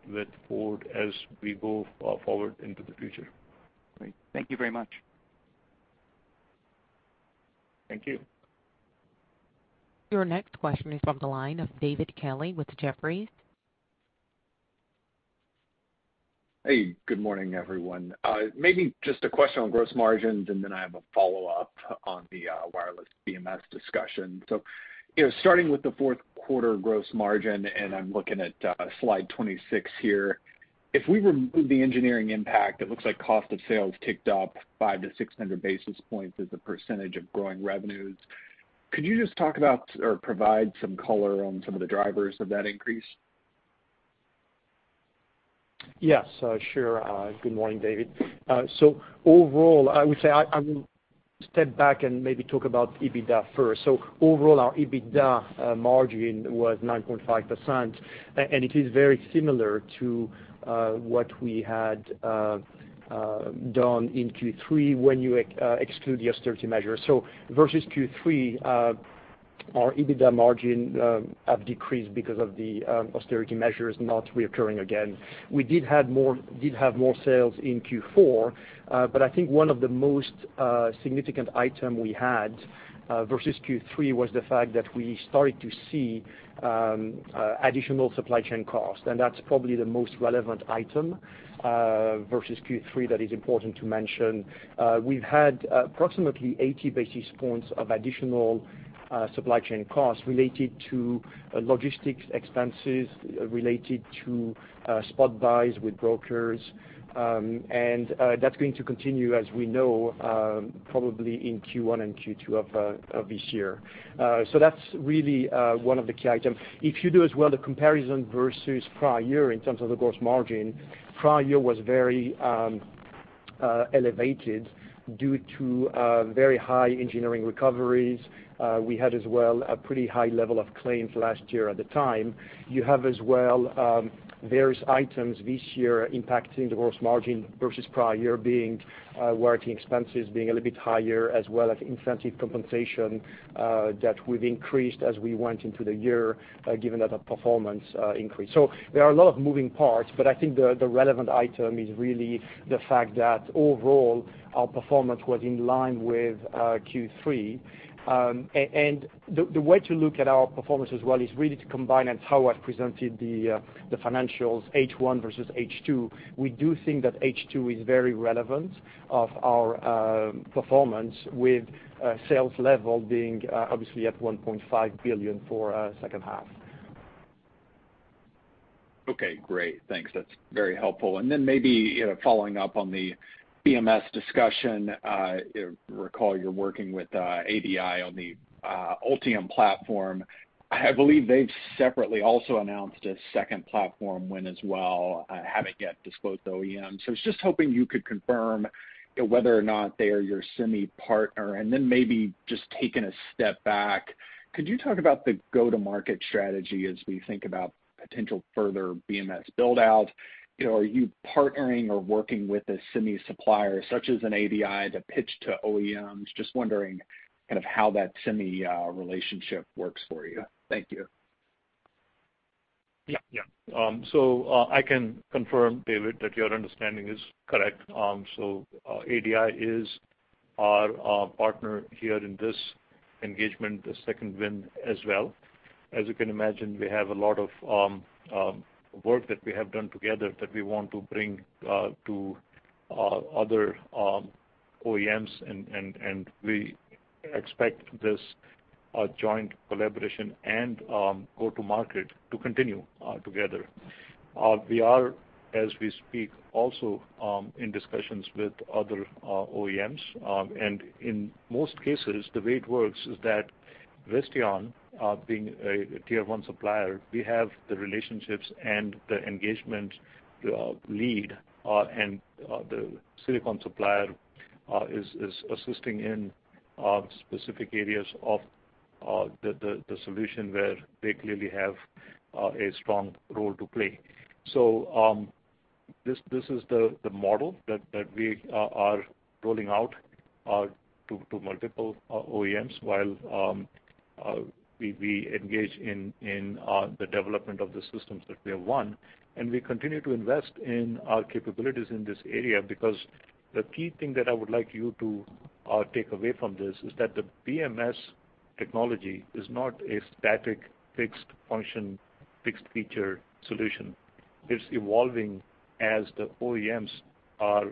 Ford as we go forward into the future. Great. Thank you very much. Thank you. Your next question is from the line of David Kelley with Jefferies. Hey, good morning, everyone. Maybe just a question on gross margins, and then I have a follow-up on the wireless BMS discussion. Starting with the Q4 gross margin, and I'm looking at slide 26 here. If we remove the engineering impact, it looks like cost of sales ticked up 500 to 600 basis points as a percentage of growing revenues. Could you just talk about or provide some color on some of the drivers of that increase? Yes, sure. Good morning, David. Overall, I would say, I will step back and maybe talk about EBITDA first. Overall, our EBITDA margin was 9.5%, and it is very similar to what we had done in Q3 when you exclude the austerity measure. Versus Q3, our EBITDA margin have decreased because of the austerity measures not reoccurring again. We did have more sales in Q4, but I think one of the most significant item we had versus Q3 was the fact that we started to see additional supply chain cost. That's probably the most relevant item versus Q3 that is important to mention. We've had approximately 80 basis points of additional supply chain costs related to logistics expenses, related to spot buys with brokers. That's going to continue, as we know, probably in Q1 and Q2 of this year. That's really one of the key items. If you do as well, the comparison versus prior year in terms of the gross margin, prior year was very elevated due to very high engineering recoveries. We had as well a pretty high level of claims last year at the time. You have as well, various items this year impacting the gross margin versus prior year being warranty expenses being a little bit higher, as well as incentive compensation that we've increased as we went into the year, given that the performance increased. There are a lot of moving parts, but I think the relevant item is really the fact that overall, our performance was in line with Q3. The way to look at our performance as well is really to combine and how I've presented the financials H1 versus H2. We do think that H2 is very relevant of our performance with sales level being obviously at $1.5 billion for second half. Okay, great. Thanks. That's very helpful. Maybe following up on the BMS discussion, recall you're working with ADI on the Ultium platform. I believe they've separately also announced a second platform win as well, haven't yet disclosed OEM. I was just hoping you could confirm whether or not they are your semi partner, and then maybe just taking a step back, could you talk about the go-to-market strategy as we think about potential further BMS build-out? Are you partnering or working with a semi supplier such as an ADI to pitch to OEMs? Just wondering how that semi relationship works for you. Thank you. Yeah. I can confirm, David, that your understanding is correct. ADI is our partner here in this engagement, the second win as well. As you can imagine, we have a lot of work that we have done together that we want to bring to other OEMs, and we expect this joint collaboration and go to market to continue together. We are, as we speak, also in discussions with other OEMs. In most cases, the way it works is that Visteon, being a tier one supplier, we have the relationships and the engagement lead, and the silicon supplier is assisting in specific areas of the solution where they clearly have a strong role to play. This is the model that we are rolling out to multiple OEMs while we engage in the development of the systems that we have won. We continue to invest in our capabilities in this area because the key thing that I would like you to take away from this is that the BMS technology is not a static, fixed function, fixed feature solution. It's evolving as the OEMs are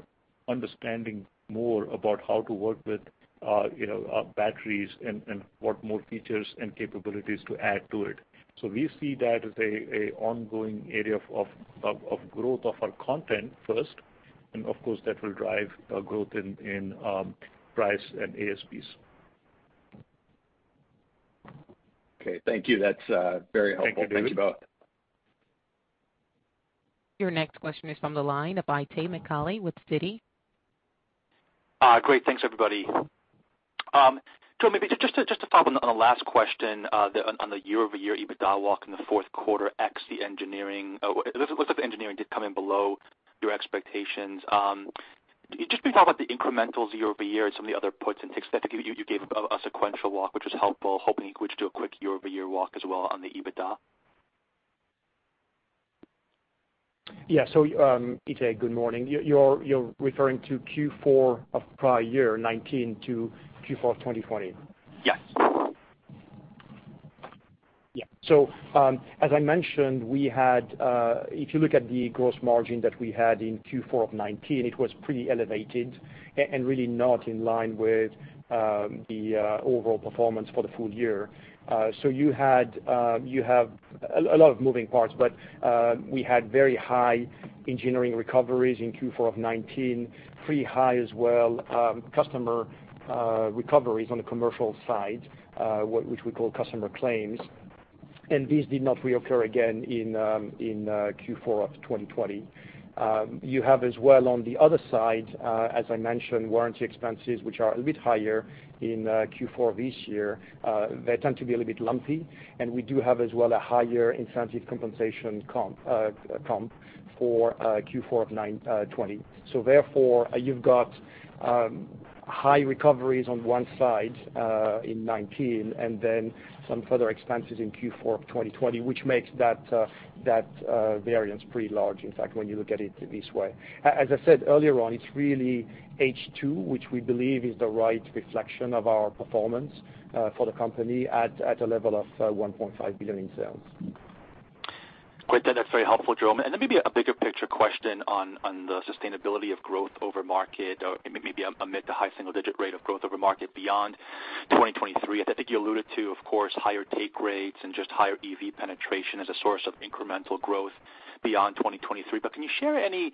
understanding more about how to work with batteries and what more features and capabilities to add to it. We see that as a ongoing area of growth of our content first, and of course, that will drive growth in price and ASPs. Okay, thank you. That's very helpful. Your next question is from the line of Itay Michaeli with Citi. Great. Thanks, everybody. Jerome, maybe just to follow up on the last question, on the year-over-year EBITDA walk in the Q4 excluding the engineering. It looks like the engineering did come in below your expectations. Can you talk about the incrementals year-over-year and some of the other puts and takes that you gave a sequential walk, which was helpful, hoping you could do a quick year-over-year walk as well on the EBITDA. Yeah. Itay, good morning. You're referring to Q4 of prior year, 2019 to Q4 of 2020? Yes. As I mentioned, if you look at the gross margin that we had in Q4 of 2019, it was pretty elevated and really not in line with the overall performance for the full year. You have a lot of moving parts, but we had very high engineering recoveries in Q4 of 2019, pretty high as well, customer recoveries on the commercial side, which we call customer claims, and these did not reoccur again in Q4 of 2020. You have as well on the other side, as I mentioned, warranty expenses, which are a bit higher in Q4 of this year. They tend to be a little bit lumpy, we do have as well a higher incentive compensation comp for Q4 of 2020. You've got high recoveries on one side in 2019 and then some further expenses in Q4 2020, which makes that variance pretty large, in fact, when you look at it this way. As I said earlier on, it's really H2, which we believe is the right reflection of our performance for the company at a level of $1.5 billion in sales. Great. That's very helpful, Jerome. Maybe a bigger picture question on the sustainability of growth over market, or maybe amid the high single-digit rate of growth over market beyond 2023. I think you alluded to, of course, higher take rates and just higher EV penetration as a source of incremental growth beyond 2023. Can you share any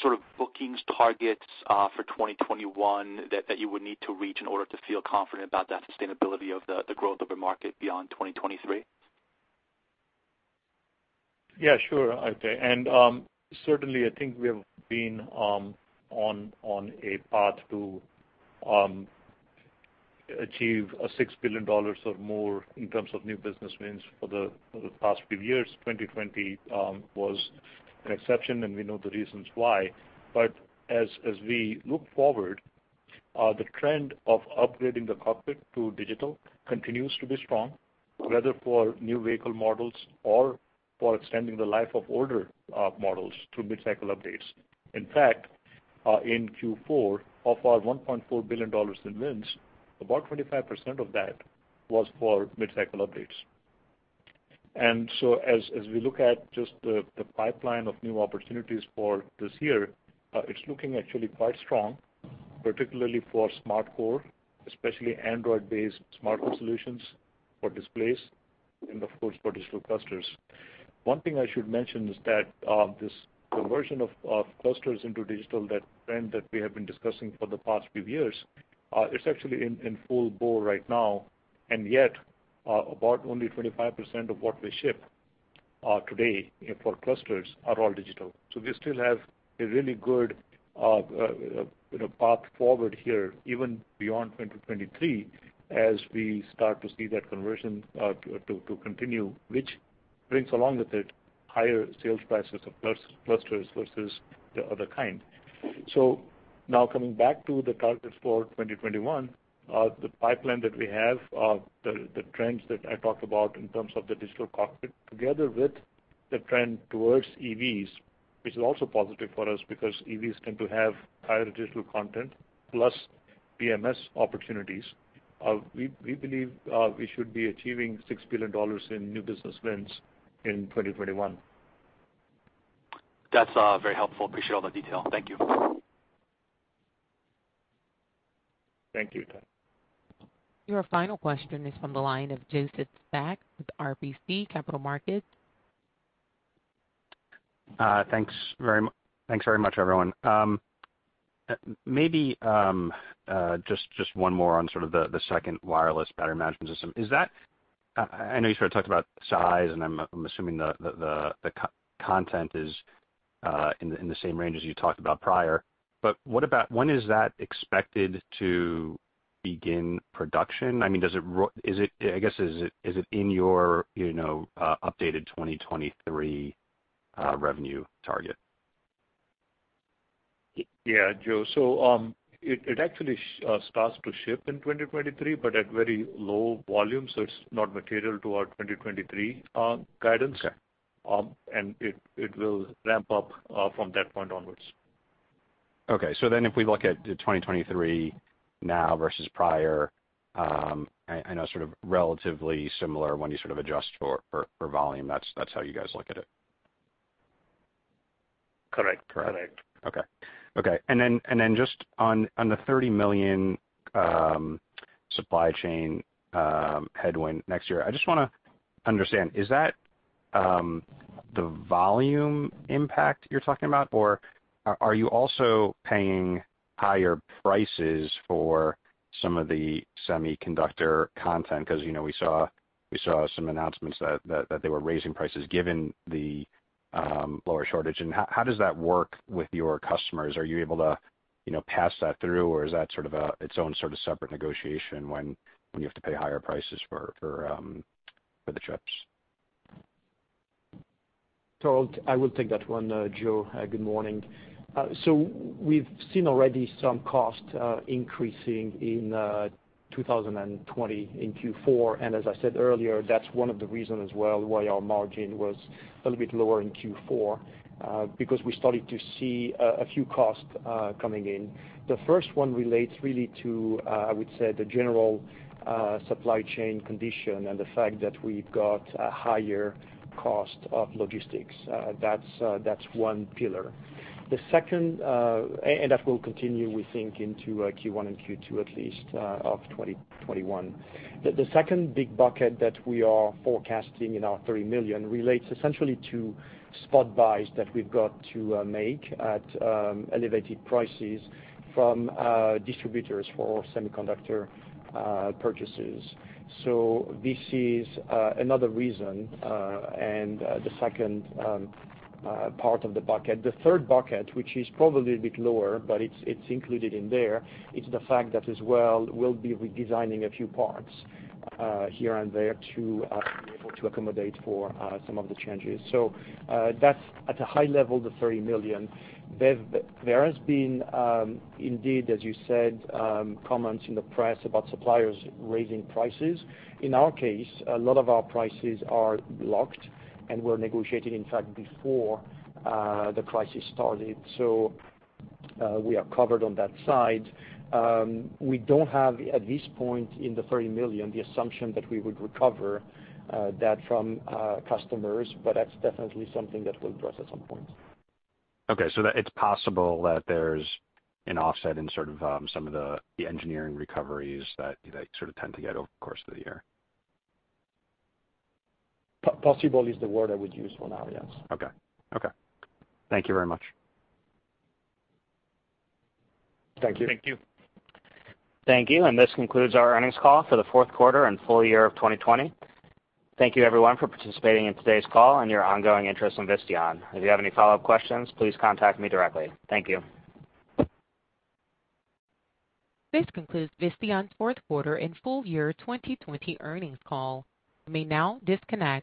sort of bookings targets for 2021 that you would need to reach in order to feel confident about that sustainability of the growth of the market beyond 2023? Yeah, sure, Itay, certainly, I think we have been on a path to achieve $6 billion of more in terms of new business wins for the past few years. 2020 was an exception, we know the reasons why. As we look forward, the trend of upgrading the cockpit to digital continues to be strong, whether for new vehicle models or for extending the life of older models through mid-cycle updates. In fact, in Q4, of our $1.4 billion in wins, about 25% of that was for mid-cycle updates. As we look at just the pipeline of new opportunities for this year, it's looking actually quite strong, particularly for SmartCore, especially Android-based SmartCore solutions for displays and, of course, for digital clusters. One thing I should mention is that this conversion of clusters into digital, that trend that we have been discussing for the past few years, it's actually in full bore right now, and yet about only 25% of what we ship today for clusters are all digital. We still have a really good path forward here, even beyond 2023, as we start to see that conversion to continue, which brings along with it higher sales prices of clusters versus the other kind. Now coming back to the targets for 2021, the pipeline that we have, the trends that I talked about in terms of the digital cockpit, together with the trend towards EVs, which is also positive for us because EVs tend to have higher digital content plus BMS opportunities. We believe we should be achieving $6 billion in new business wins in 2021. That's very helpful. Appreciate all the detail. Thank you. Your final question is from the line of Joseph Spak with RBC Capital Markets. Thanks very much, everyone. Just one more on sort of the second wireless battery management system. I know you sort of talked about size, and I'm assuming the content is in the same range as you talked about prior. When is that expected to begin production? I guess, is it in your updated 2023 revenue target? Yeah, Joseph. It actually starts to ship in 2023, but at very low volume, so it's not material to our 2023 guidance. It will ramp up from that point onwards. Okay. If we look at 2023 now versus prior, I know sort of relatively similar when you sort of adjust for volume. That's how you guys look at it? Correct. Just on the $30 million supply chain headwind next year, I just want to understand, is that the volume impact you're talking about, or are you also paying higher prices for some of the semiconductor content? We saw some announcements that they were raising prices given the chip shortage. How does that work with your customers? Are you able to pass that through, or is that its own sort of separate negotiation when you have to pay higher prices for the chips? I will take that one, Joseph. Good morning. We've seen already some cost increasing in 2020 in Q4. As I said earlier, that's one of the reason as well why our margin was a little bit lower in Q4, because we started to see a few costs coming in. The first one relates really to, I would say, the general supply chain condition and the fact that we've got a higher cost of logistics. That's one pillar. That will continue, we think, into Q1 and Q2 at least of 2021. The second big bucket that we are forecasting in our $30 million relates essentially to spot buys that we've got to make at elevated prices from distributors for semiconductor purchases. This is another reason, and the second part of the bucket. The third bucket, which is probably a bit lower, but it's included in there, is the fact that as well, we'll be redesigning a few parts here and there to be able to accommodate for some of the changes. That's at a high level, the $30 million. There has been, indeed as you said, comments in the press about suppliers raising prices. In our case, a lot of our prices are locked and were negotiated, in fact, before the crisis started. We are covered on that side. We don't have, at this point in the $30 million, the assumption that we would recover that from customers, but that's definitely something that we'll address at some point. Okay, it's possible that there's an offset in sort of some of the engineering recoveries that you sort of tend to get over the course of the year. Possible is the word I would use for now, yes. Okay. Thank you very much. Thank you. Thank you. Thank you, and this concludes our earnings call for the Q4 and full year of 2020. Thank you everyone for participating in today's call and your ongoing interest in Visteon. If you have any follow-up questions, please contact me directly. Thank you. This concludes Visteon's Q4 and full year 2020 earnings call. You may now disconnect.